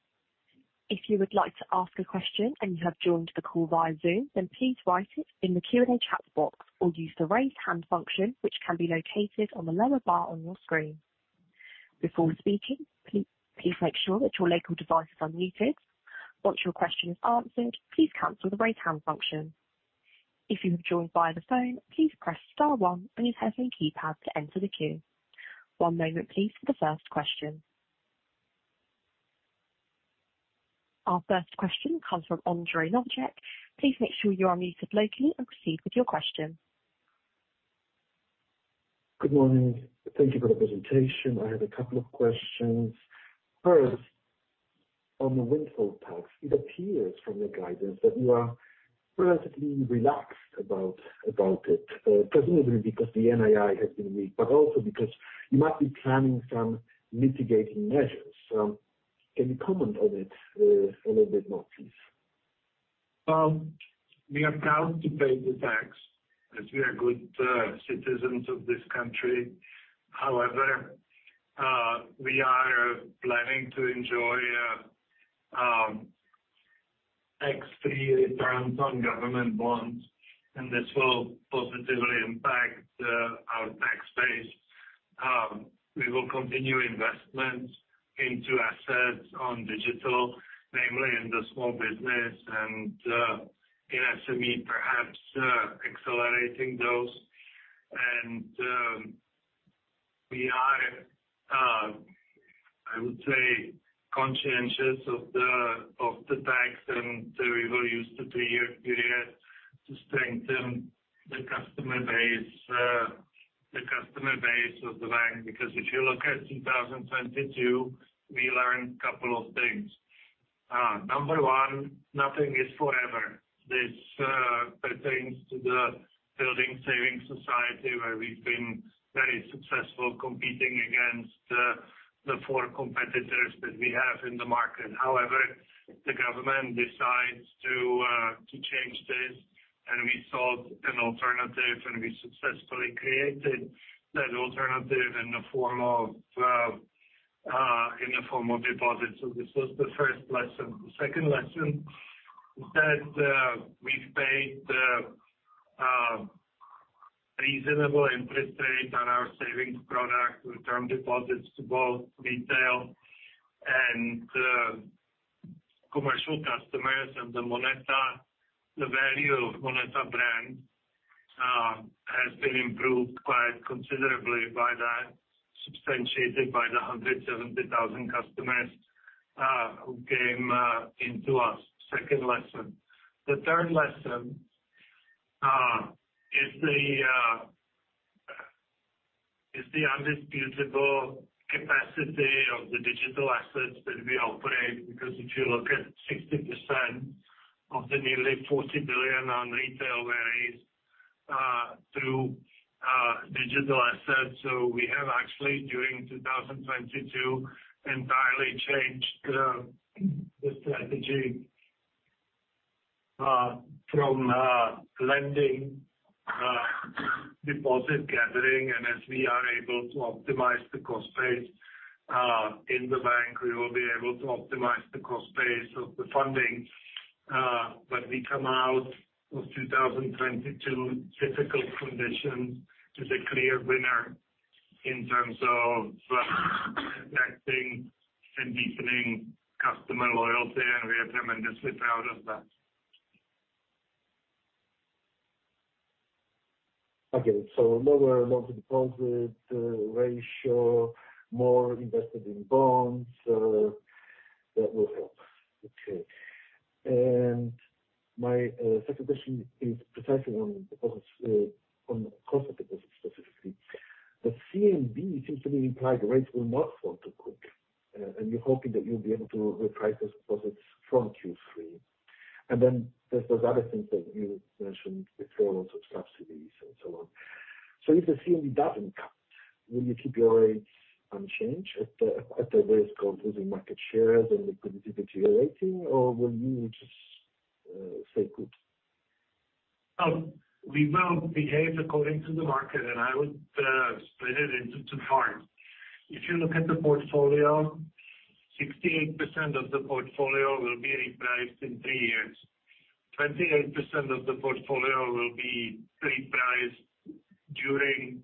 If you would like to ask a question and you have joined the call via Zoom, then please write it in the Q&A chat box or use the Raise Hand function, which can be located on the lower bar on your screen. Before speaking, please make sure that your local device is unmuted. Once your question is answered, please cancel the Raise Hand function. If you've joined via the phone, please press star one on your telephone keypad to enter the queue. One moment please for the first question. Our first question comes from Andrzej Łoś. Please make sure you are unmuted locally and proceed with your question. Good morning. Thank you for the presentation. I have a couple of questions. First, on the windfall tax, it appears from the guidance that you are relatively relaxed about it, presumably because the NII has been weak, but also because you might be planning some mitigating measures. Can you comment on it, a little bit more, please? We are proud to pay the tax as we are good citizens of this country. However, we are planning to enjoy tax-free returns on government bonds, and this will positively impact our tax base. We will continue investments into assets on digital, namely in the small business and in SME, perhaps accelerating those. We are, I would say, conscientious of the tax, and so we will use the three-year period to strengthen the customer base, the customer base of the bank, because if you look at 2022, we learned couple of things. Number one, nothing is forever. This pertains to the Building Savings Society, where we've been very successful competing against the four competitors that we have in the market. The government decides to change this. We sought an alternative. We successfully created that alternative in the form of deposits. This was the first lesson. The second lesson is that we've paid reasonable interest rate on our savings products, return deposits to both retail and commercial customers. The MONETA, the value of MONETA brand has been improved quite considerably by that, substantiated by the 170,000 customers who came into us. Second lesson. The third lesson is the undisputable capacity of the digital assets that we operate, because if you look at 60% of the nearly 40 billion on retail varies through digital assets. We have actually, during 2022, entirely changed the strategy from lending, deposit gathering. As we are able to optimize the cost base in the bank, we will be able to optimize the cost base of the funding. We come out of 2022 difficult conditions as a clear winner in terms of connecting and deepening customer loyalty, and we are tremendously proud of that. Okay. Lower loan-to-deposit ratio, more invested in bonds. That will help. Okay. My second question is precisely on deposits, on cost of deposits specifically. The ČNB seems to be implied rates will not fall too quick, and you're hoping that you'll be able to reprice those deposits from Q3. There's those other things that you mentioned before on subsidies and so on. If the ČNB doesn't cut, will you keep your rates unchanged at the risk of losing market shares and liquidity deteriorating, or will you just stay put? We will behave according to the market, and I would split it into two parts. If you look at the portfolio, 68% of the portfolio will be repriced in three years. 28% of the portfolio will be repriced during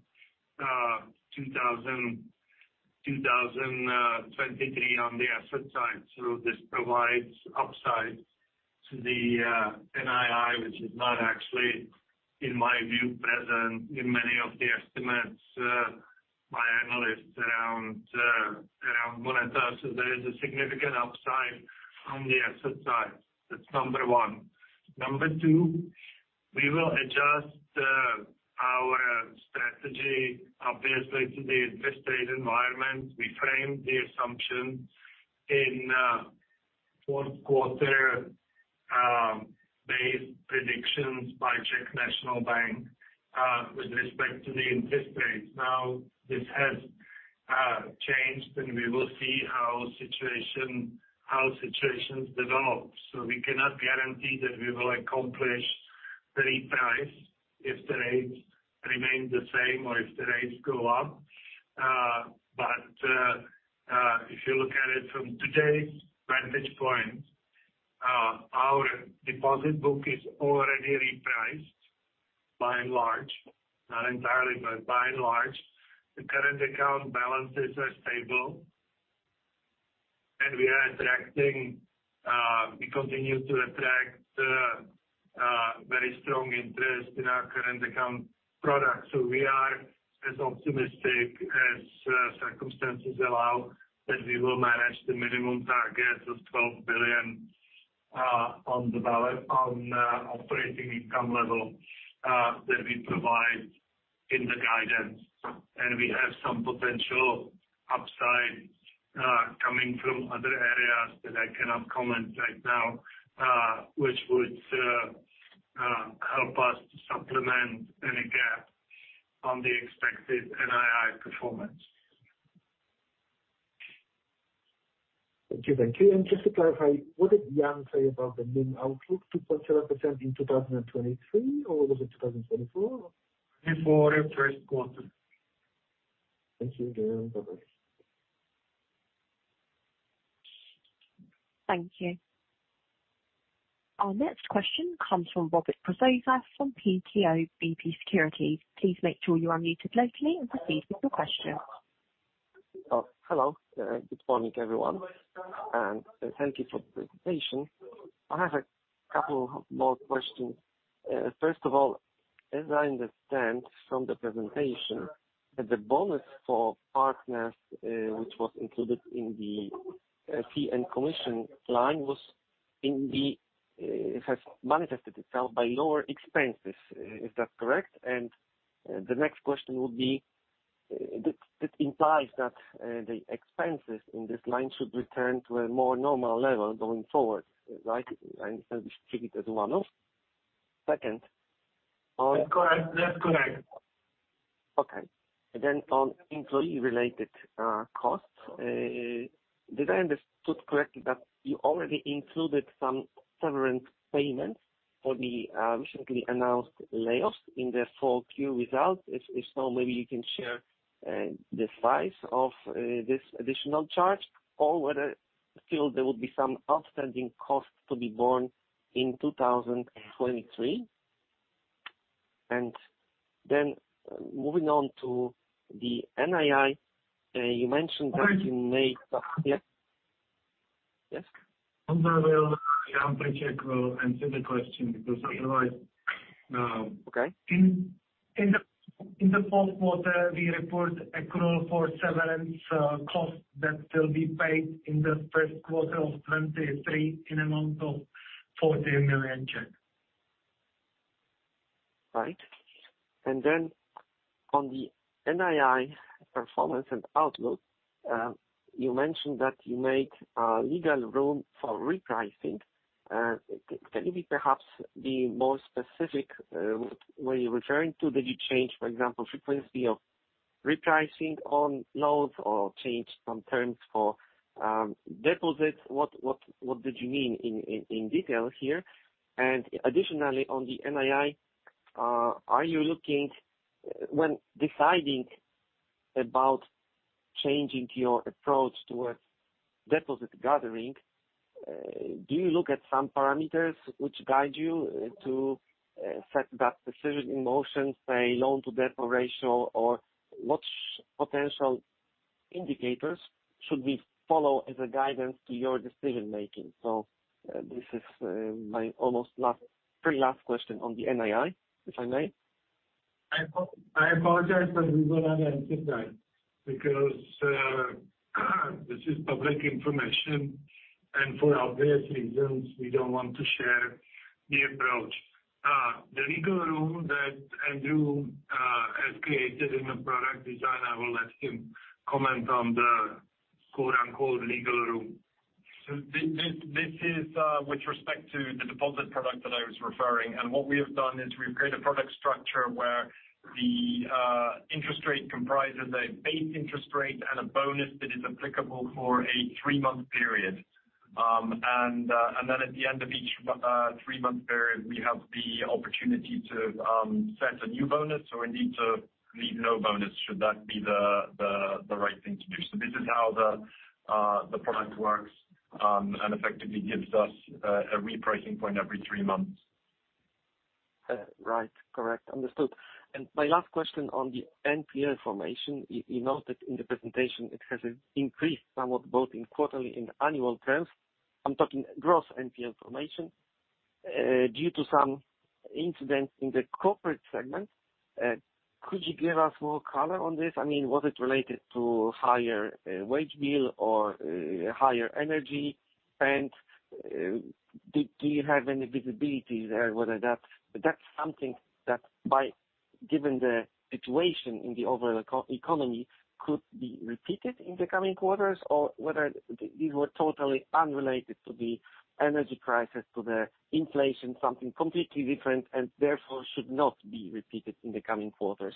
2023 on the asset side. This provides upside to the NII, which is not actually, in my view, present in many of the estimates by analysts around MONETA. There is a significant upside on the asset side. That's number one. Number two, we will adjust Obviously to the interest rate environment, we framed the assumption in fourth quarter based predictions by Czech National Bank with respect to the interest rates. This has changed, and we will see how situations develop. We cannot guarantee that we will accomplish the reprice if the rates remain the same or if the rates go up. If you look at it from today's vantage point, our deposit book is already repriced by and large, not entirely, but by and large. The current account balances are stable. We are attracting, we continue to attract, very strong interest in our current account products. We are as optimistic as circumstances allow that we will manage the minimum target of 12 billion, on operating income level, that we provide in the guidance. We have some potential upside, coming from other areas that I cannot comment right now, which would help us to supplement any gap on the expected NII performance. Thank you. Thank you. Just to clarify, what did Jan say about the NIM outlook, 2.0% in 2023 or was it 2024? Before the first quarter. Thank you again. Bye-bye. Thank you. Our next question comes from Robert Brzoza from PKO BP Securities Please make sure you are unmuted locally and proceed with your question. Oh, hello. Good morning, everyone, and thank you for the presentation. I have a couple more questions. First of all, as I understand from the presentation, that the bonus for partners, which was included in the fee and commission line, was in the has manifested itself by lower expenses. Is that correct? The next question would be, it implies that the expenses in this line should return to a more normal level going forward, right? We treat it as one off. Second, That's correct. That's correct. Okay. On employee-related costs, did I understood correctly that you already included some severance payments for the recently announced layoffs in the full Q results? If so, maybe you can share the size of this additional charge or whether still there will be some outstanding costs to be borne in 2023. Moving on to the NII, you mentioned that you made- Sorry. Yes. Yes. Ondra will... Jan Friček will answer the question because otherwise. Okay. In the fourth quarter, we report accrual for severance costs that will be paid in the first quarter of 2023 in amount of 40 million. Right. On the NII performance and outlook, you mentioned that you made a legal room for repricing. Can you be perhaps be more specific, were you referring to? Did you change, for example, frequency of repricing on loans or change some terms for deposits? What did you mean in detail here? Additionally, on the NII, are you looking when deciding about changing your approach towards deposit gathering, do you look at some parameters which guide you to set that decision in motion, say, loan-to-deposit ratio or much potential indicators should we follow as a guidance to your decision making? This is my almost last, pretty last question on the NII, if I may. I apologize, but we will not answer that because this is public information. For obvious reasons, we don't want to share the approach. The legal room that Andrew has created in the product design, I will let him comment on the quote-unquote, "legal room." This, this is with respect to the deposit product that I was referring. What we have done is we've created a product structure where the interest rate comprises a base interest rate and a bonus that is applicable for a three-month period. And then at the end of each three-month period, we have the opportunity to set a new bonus or indeed to leave no bonus, should that be the right thing to do. This is how the product works and effectively gives us a repricing point every three months. Right. Correct. Understood. My last question on the NPL formation, you noted in the presentation it has increased somewhat both in quarterly and annual terms. I'm talking gross NPL formation, due to some incidents in the corporate segment. Could you give us more color on this? I mean, was it related to higher wage bill or higher energy spend? Do you have any visibility there whether that's something that by, given the situation in the overall eco-economy, could be repeated in the coming quarters or whether these were totally unrelated to the energy prices, to the inflation, something completely different and therefore should not be repeated in the coming quarters.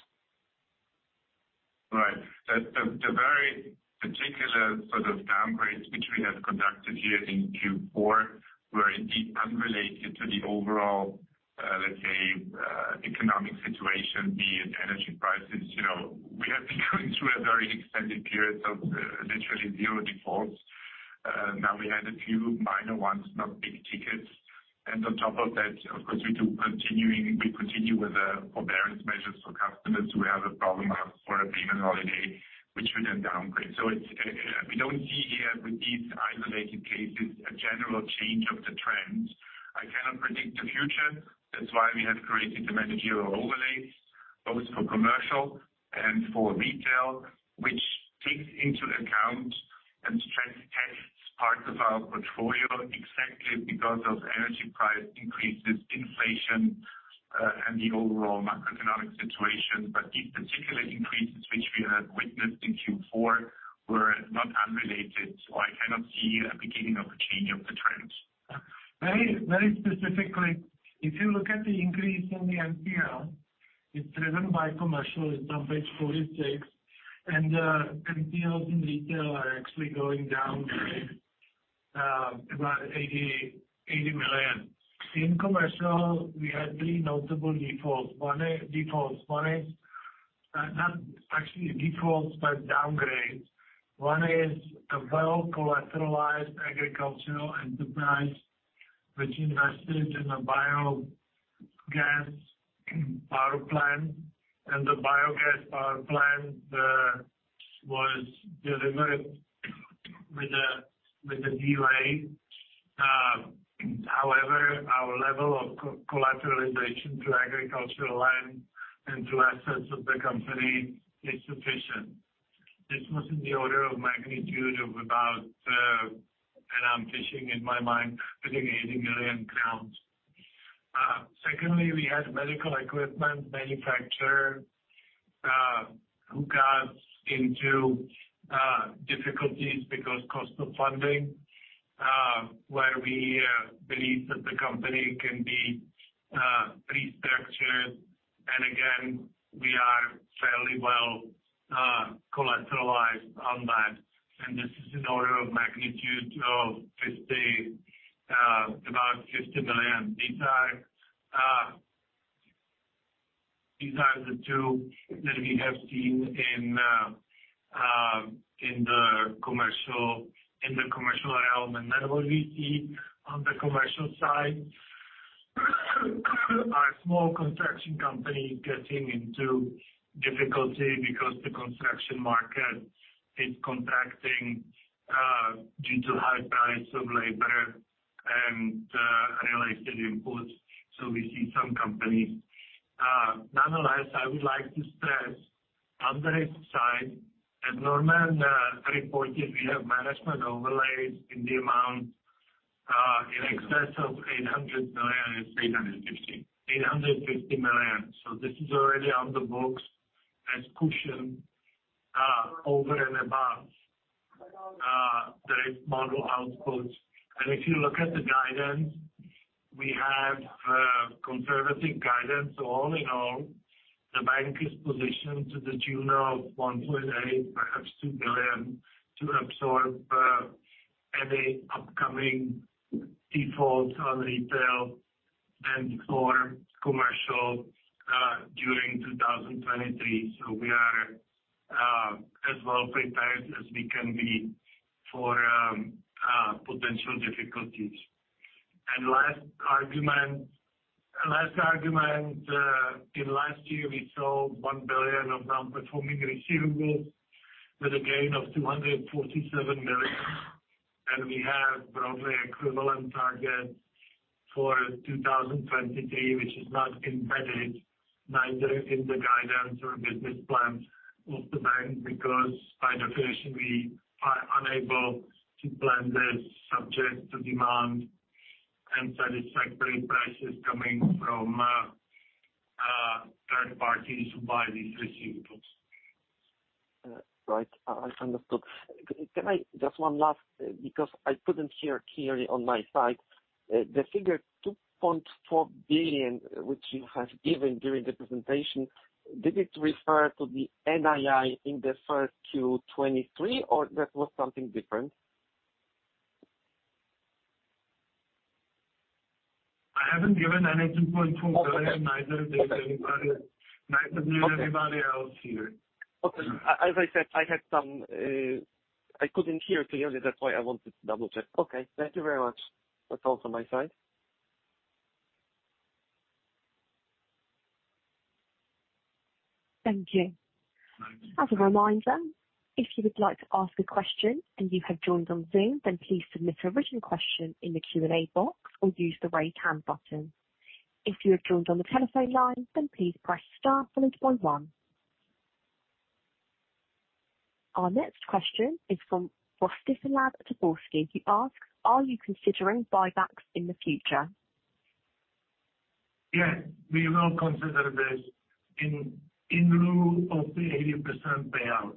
Right. The very particular sort of downgrades which we have conducted here in Q4 were indeed unrelated to the overall, let's say, economic situation, be it energy prices. You know, we have been going through a very extended period of literally zero defaults. Now we had a few minor ones, not big tickets. And on top of that, of course, we continue with the forbearance measures for customers who have a problem or a payment holiday, which would then downgrade. So it's... We don't see here with these isolated cases a general change of the trend. I cannot predict the future. That's why we have created the management overlays, both for commercial and for retail, which takes into account and stress tests parts of our portfolio exactly because of energy price increases, inflation, and the overall macroeconomic situation. These particular increases which we have witnessed in Q4 were not unrelated, so I cannot see a beginning of a change of the trend. Very, very specifically, if you look at the increase in the NPL, it's driven by commercial. It's on page 46. NPL in retail are actually going down about 80 million. In commercial, we had three notable defaults. One is default. One is not actually defaults but downgrades. One is a well collateralized agricultural enterprise which invested in a biogas power plant, and the biogas power plant was delivered with a delay. However, our level of co-collateralization to agricultural land and to assets of the company is sufficient. This was in the order of magnitude of about, and I'm fishing in my mind, I think CZK 80 million. Secondly, we had medical equipment manufacturer who got into difficulties because cost of funding, where we believe that the company can be restructured. Again, we are fairly well collateralized on that. This is an order of magnitude of about CZK 50 million. These are the two that we have seen in the commercial, in the commercial realm. What we see on the commercial side, a small construction company getting into difficulty because the construction market is contracting due to high price of labor and real estate inputs. We see some companies. Nonetheless, I would like to stress on the risk side, as Norman reported, we have management overlays in the amount in excess of 800 million. It's 850. 850 million. This is already on the books as cushion, over and above, the model outputs. If you look at the guidance, we have, conservative guidance. All in all, the bank is positioned to the tune of 1.8 billion, perhaps 2 billion, to absorb, any upcoming defaults on retail and for commercial, during 2023. We are, as well prepared as we can be for, potential difficulties. Last argument, in last year, we saw 1 billion of non-performing receivables with a gain of 247 million. We have probably equivalent target for 2023, which is not embedded neither in the guidance or business plans of the bank, because by definition, we are unable to plan this subject to demand and satisfactory prices coming from third parties who buy these receivables. Right. I understood. Can I just one last, because I couldn't hear clearly on my side. The figure 2.4 billion, which you have given during the presentation, did it refer to the NII in the first Q23 or that was something different? I haven't given any CZK 2.4 billion- Okay. Neither did anybody, neither did anybody else here. Okay. As I said, I had some, I couldn't hear clearly. That's why I wanted to double-check. Okay. Thank you very much. That's all from my side. Thank you. Thank you. As a reminder, if you would like to ask a question and you have joined on Zoom, then please submit your written question in the Q&A box or use the raise hand button. If you have joined on the telephone line, then please press star followed by one. Our next question is from Rostislav Taborsky. He asks, "Are you considering buybacks in the future? Yes, we will consider this in lieu of the 80% payout.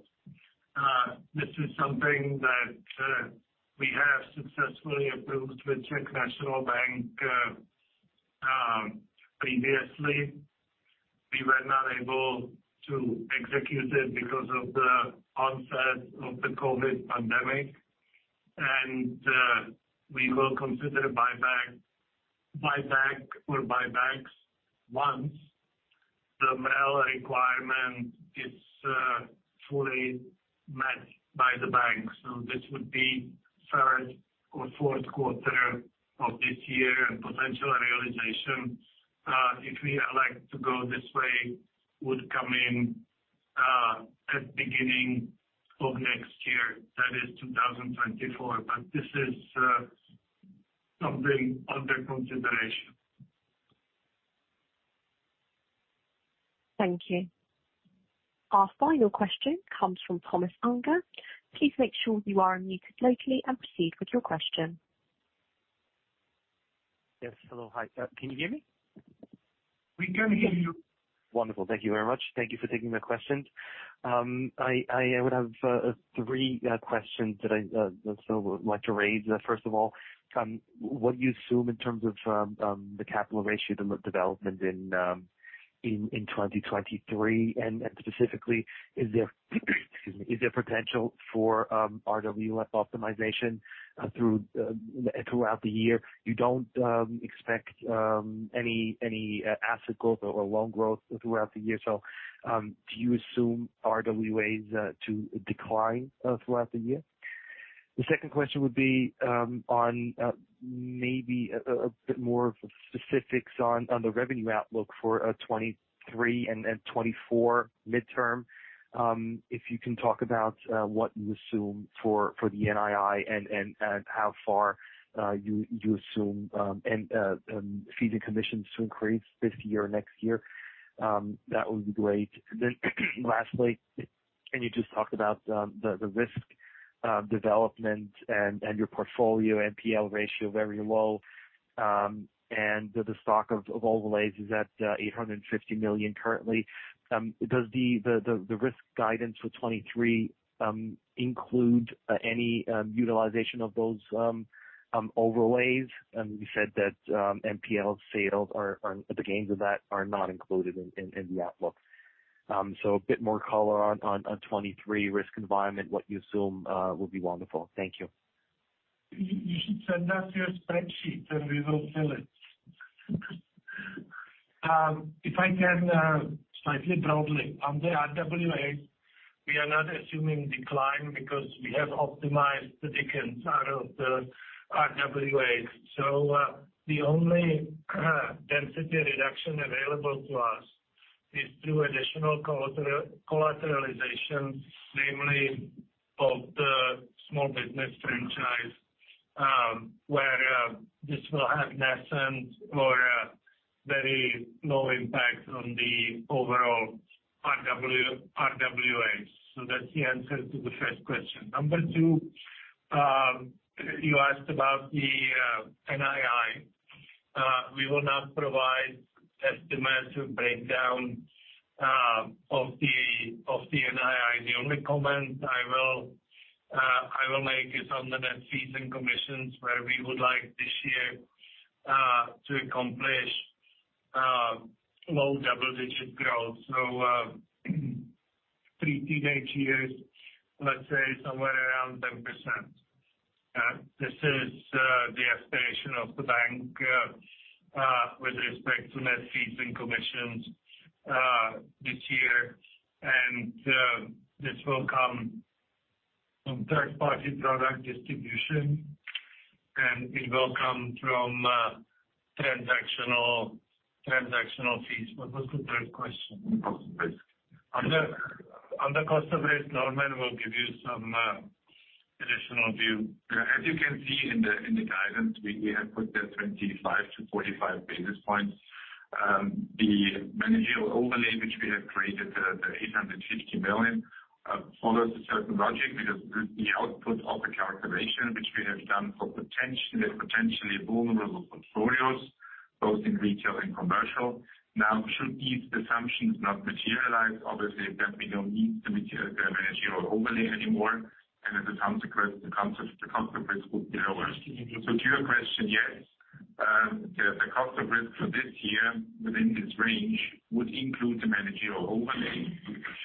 This is something that we have successfully approved with Czech National Bank. Previously, we were not able to execute it because of the onset of the COVID pandemic. We will consider buyback or buybacks once the MREL requirement is fully met by the bank. This would be third or fourth quarter of this year, and potential realization, if we elect to go this way, would come in at beginning of next year, that is 2024. This is something under consideration. Thank you. Our final question comes from Thomas Unger. Please make sure you are unmuted locally and proceed with your question. Yes. Hello. Hi. Can you hear me? We can hear you. Wonderful. Thank you very much. Thank you for taking my questions. I would have three questions that I so would like to raise. First of all, what do you assume in terms of the capital ratio development in 2023? Specifically, is there excuse me, is there potential for RWF optimization throughout the year? You don't expect any asset growth or loan growth throughout the year. Do you assume RWAs to decline throughout the year? The second question would be on maybe a bit more specifics on the revenue outlook for 2023 and 2024 midterm. If you can talk about what you assume for the NII and how far you assume and fees and commissions to increase this year or next year. That would be great. Lastly, can you just talk about the risk development and your portfolio NPL ratio very low, and the stock of overlays is at 850 million currently. Does the risk guidance for 2023 include any utilization of those overlays? You said that NPL sales the gains of that are not included in the outlook. A bit more color on 2023 risk environment, what you assume, will be wonderful. Thank you. You should send us your spreadsheet, and we will fill it. If I can, slightly broadly, on the RWAs, we are not assuming decline because we have optimized the Dickens out of the RWAs. The only density reduction available to us is through additional collateralization, namely of the small business franchise, where this will have nascent or very low impact on the overall RWAs. That's the answer to the first question. Number two, you asked about the NII. We will not provide estimates or breakdown of the NII. The only comment I will make is on the net fees and commissions, where we would like this year to accomplish low double-digit growth. Three teenage years, let's say somewhere around 10%. This is the aspiration of the bank with respect to net fees and commissions this year. This will come from third-party product distribution, and it will come from transactional fees. What was the third question? Cost of risk. On the cost of risk, Normann will give you some additional view. As you can see in the guidance, we have put the 25-45 basis points. The managerial overlay, which we have created, the 850 million, follows a certain logic because the output of the calculation, which we have done for potentially vulnerable portfolios, both in retail and commercial. Should these assumptions not materialize, obviously, then we don't need the managerial overlay anymore, and as a consequence, the cost of risk would be lower. To your question, yes, the cost of risk for this year within this range would include the managerial overlay.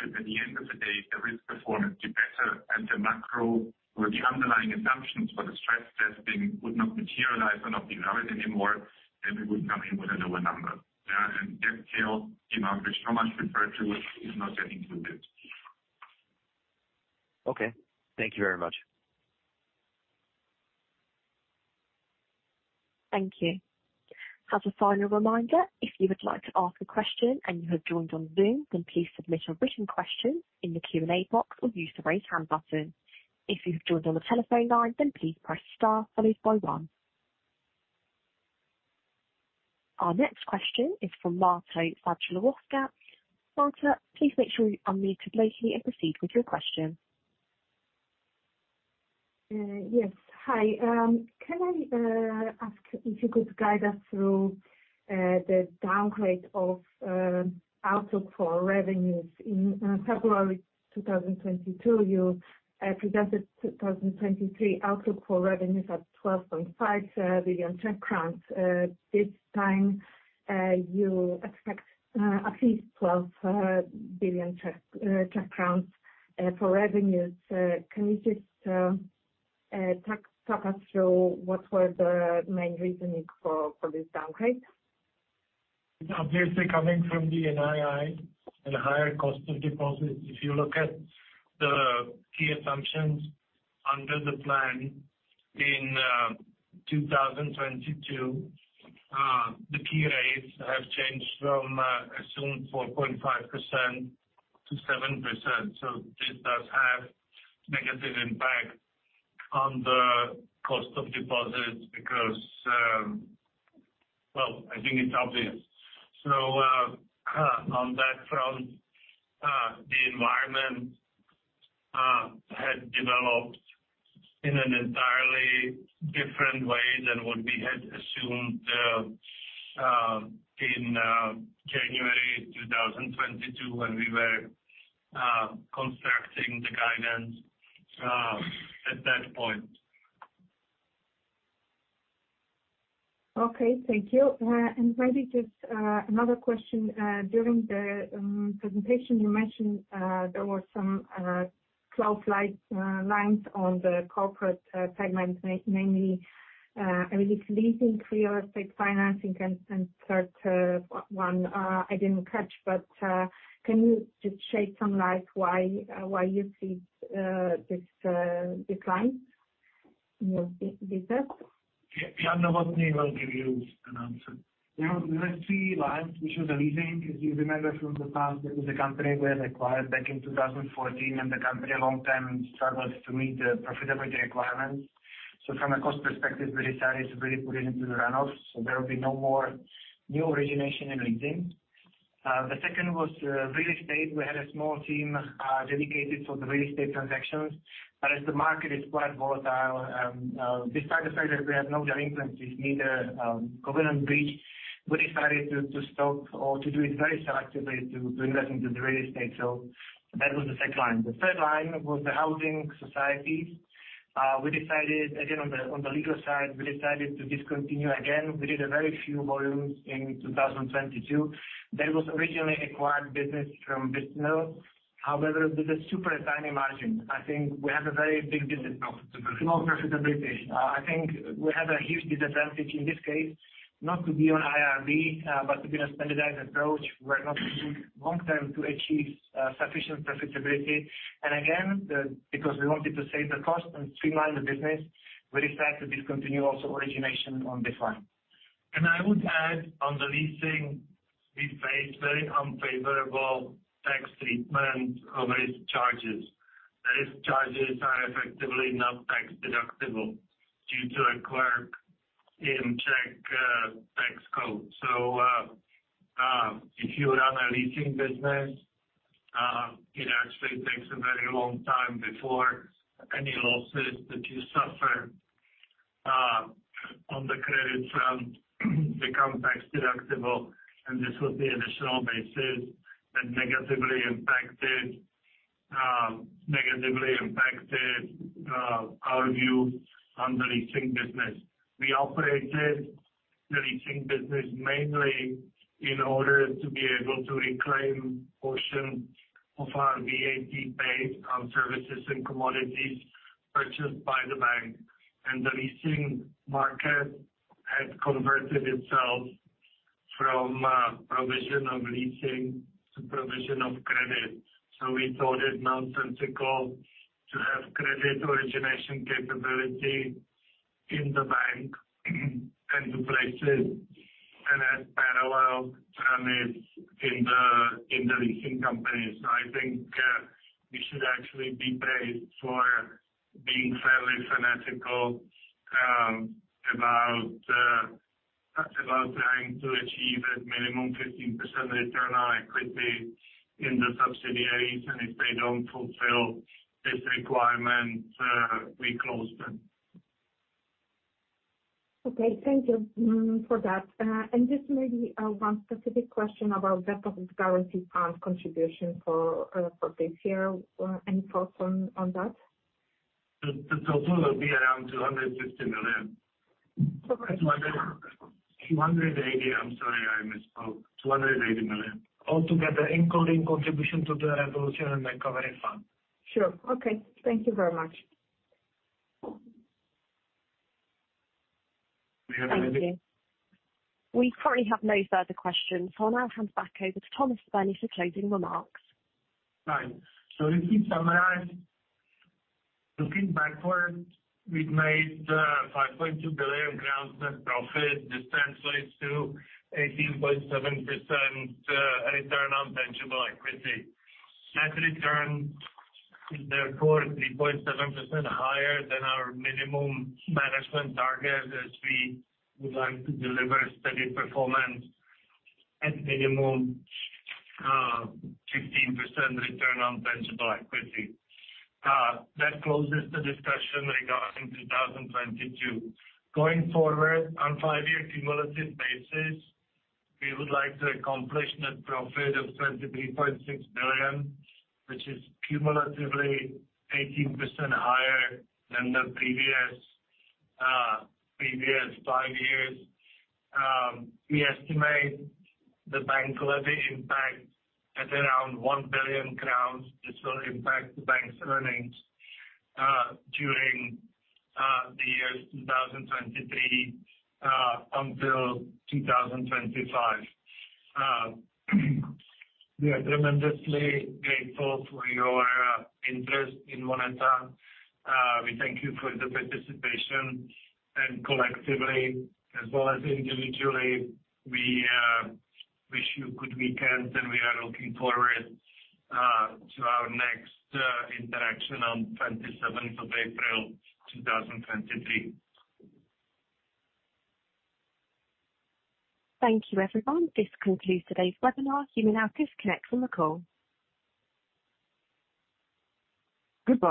Should at the end of the day, the risk performance be better and the macro or the underlying assumptions for the stress testing would not materialize or not be relevant anymore, then we would come in with a lower number. That tail amount, which Tomáš Spurný referred to, is not yet included. Okay. Thank you very much. Thank you. As a final reminder, if you would like to ask a question and you have joined on Zoom, please submit your written question in the Q&A box or use the Raise Hand button. If you've joined on the telephone line, please press star followed by one. Our next question is from Marta Czajkowska. Marta, please make sure you unmute your line and proceed with your question. Yes. Hi. Can I ask if you could guide us through the downgrade of outlook for revenues in February 2022, you presented 2023 outlook for revenues at 12.5 billion crowns. This time, you expect at least 12 billion crowns for revenues. Can you just talk us through what were the main reasoning for this downgrade? It's obviously coming from the NII and higher cost of deposits. If you look at the key assumptions under the plan in 2022, the key rates have changed from assumed 4.5% to 7%. This does have negative impact on the cost of deposits because. Well, I think it's obvious. On that front, the environment had developed in an entirely different way than what we had assumed in January 2022 when we were constructing the guidance at that point. Okay, thank you. Maybe just another question. During the presentation you mentioned, there were some close lines on the corporate segment, namely, I believe leasing, real estate financing and third one, I didn't catch. Can you just shed some light why you see this decline in these areas? Jan Novotný will give you an answer. You know, there are three lines, which are the leasing. If you remember from the past, there was a company we had acquired back in 2014, and the company a long time struggled to meet the profitability requirements. From a cost perspective, we decided to really put it into the runoffs. There will be no more new origination in leasing. The second was real estate. We had a small team dedicated for the real estate transactions. But as the market is quite volatile, besides the fact that we have no delinquencies, neither covenant breach, we decided to stop or to do it very selectively to invest into the real estate. That was the second line. The third line was the housing societies. We decided again, on the legal side, we decided to discontinue again. We did a very few volumes in 2022. That was originally acquired business from Wüstenrot. With a super tiny margin. I think we have a very big business- Profitability. Low profitability. I think we have a huge disadvantage in this case not to be on IRB, but to be a standardized approach. We're not seeing long term to achieve sufficient profitability. Again, because we wanted to save the cost and streamline the business, we decided to discontinue also origination on this one. I would add on the leasing, we face very unfavorable tax treatment of risk charges. The risk charges are effectively not tax deductible due to a clerk in Czech tax code. If you run a leasing business, it actually takes a very long time before any losses that you suffer on the credit front become tax deductible, and this would be additional basis that negatively impacted, negatively impacted our view on the leasing business. We operated the leasing business mainly in order to be able to reclaim portion of our VAT base on services and commodities purchased by the bank. The leasing market had converted itself from provision of leasing to provision of credit. We thought it nonsensical to have credit origination capability in the bank and to place it and as parallel term is in the, in the leasing company. I think we should actually be praised for being fairly fanatical about trying to achieve at minimum 15% return on equity in the subsidiaries, and if they don't fulfill this requirement, we close them. Okay. Thank you for that. Just maybe one specific question about the public guarantee fund contribution for this year. Any thoughts on that? The total will be around 250 million. So- 280 million. I'm sorry, I misspoke. 280 million. All together, including contribution to the Resolution and Recovery Fund. Sure. Okay. Thank you very much. We have any- Thank you. We currently have no further questions. I'll now hand back over to Tomáš Spurný for closing remarks. Right. If we summarize, looking backward, we've made 5.2 billion net profit. This translates to 18.7% return on tangible equity. Net return is therefore 3.7% higher than our minimum management target, as we would like to deliver steady performance at minimum 15% return on tangible equity. That closes the discussion regarding 2022. Going forward on five-year cumulative basis, we would like to accomplish net profit of 23.6 billion, which is cumulatively 18% higher than the previous previous five years. We estimate the bank levy impact at around 1 billion crowns. This will impact the bank's earnings during the years 2023 until 2025. We are tremendously grateful for your interest in MONETA. We thank you for the participation, and collectively as well as individually, we wish you good weekend, and we are looking forward to our next interaction on 27th of April, 2023. Thank you, everyone. This concludes today's webinar. You may now disconnect from the call. Goodbye.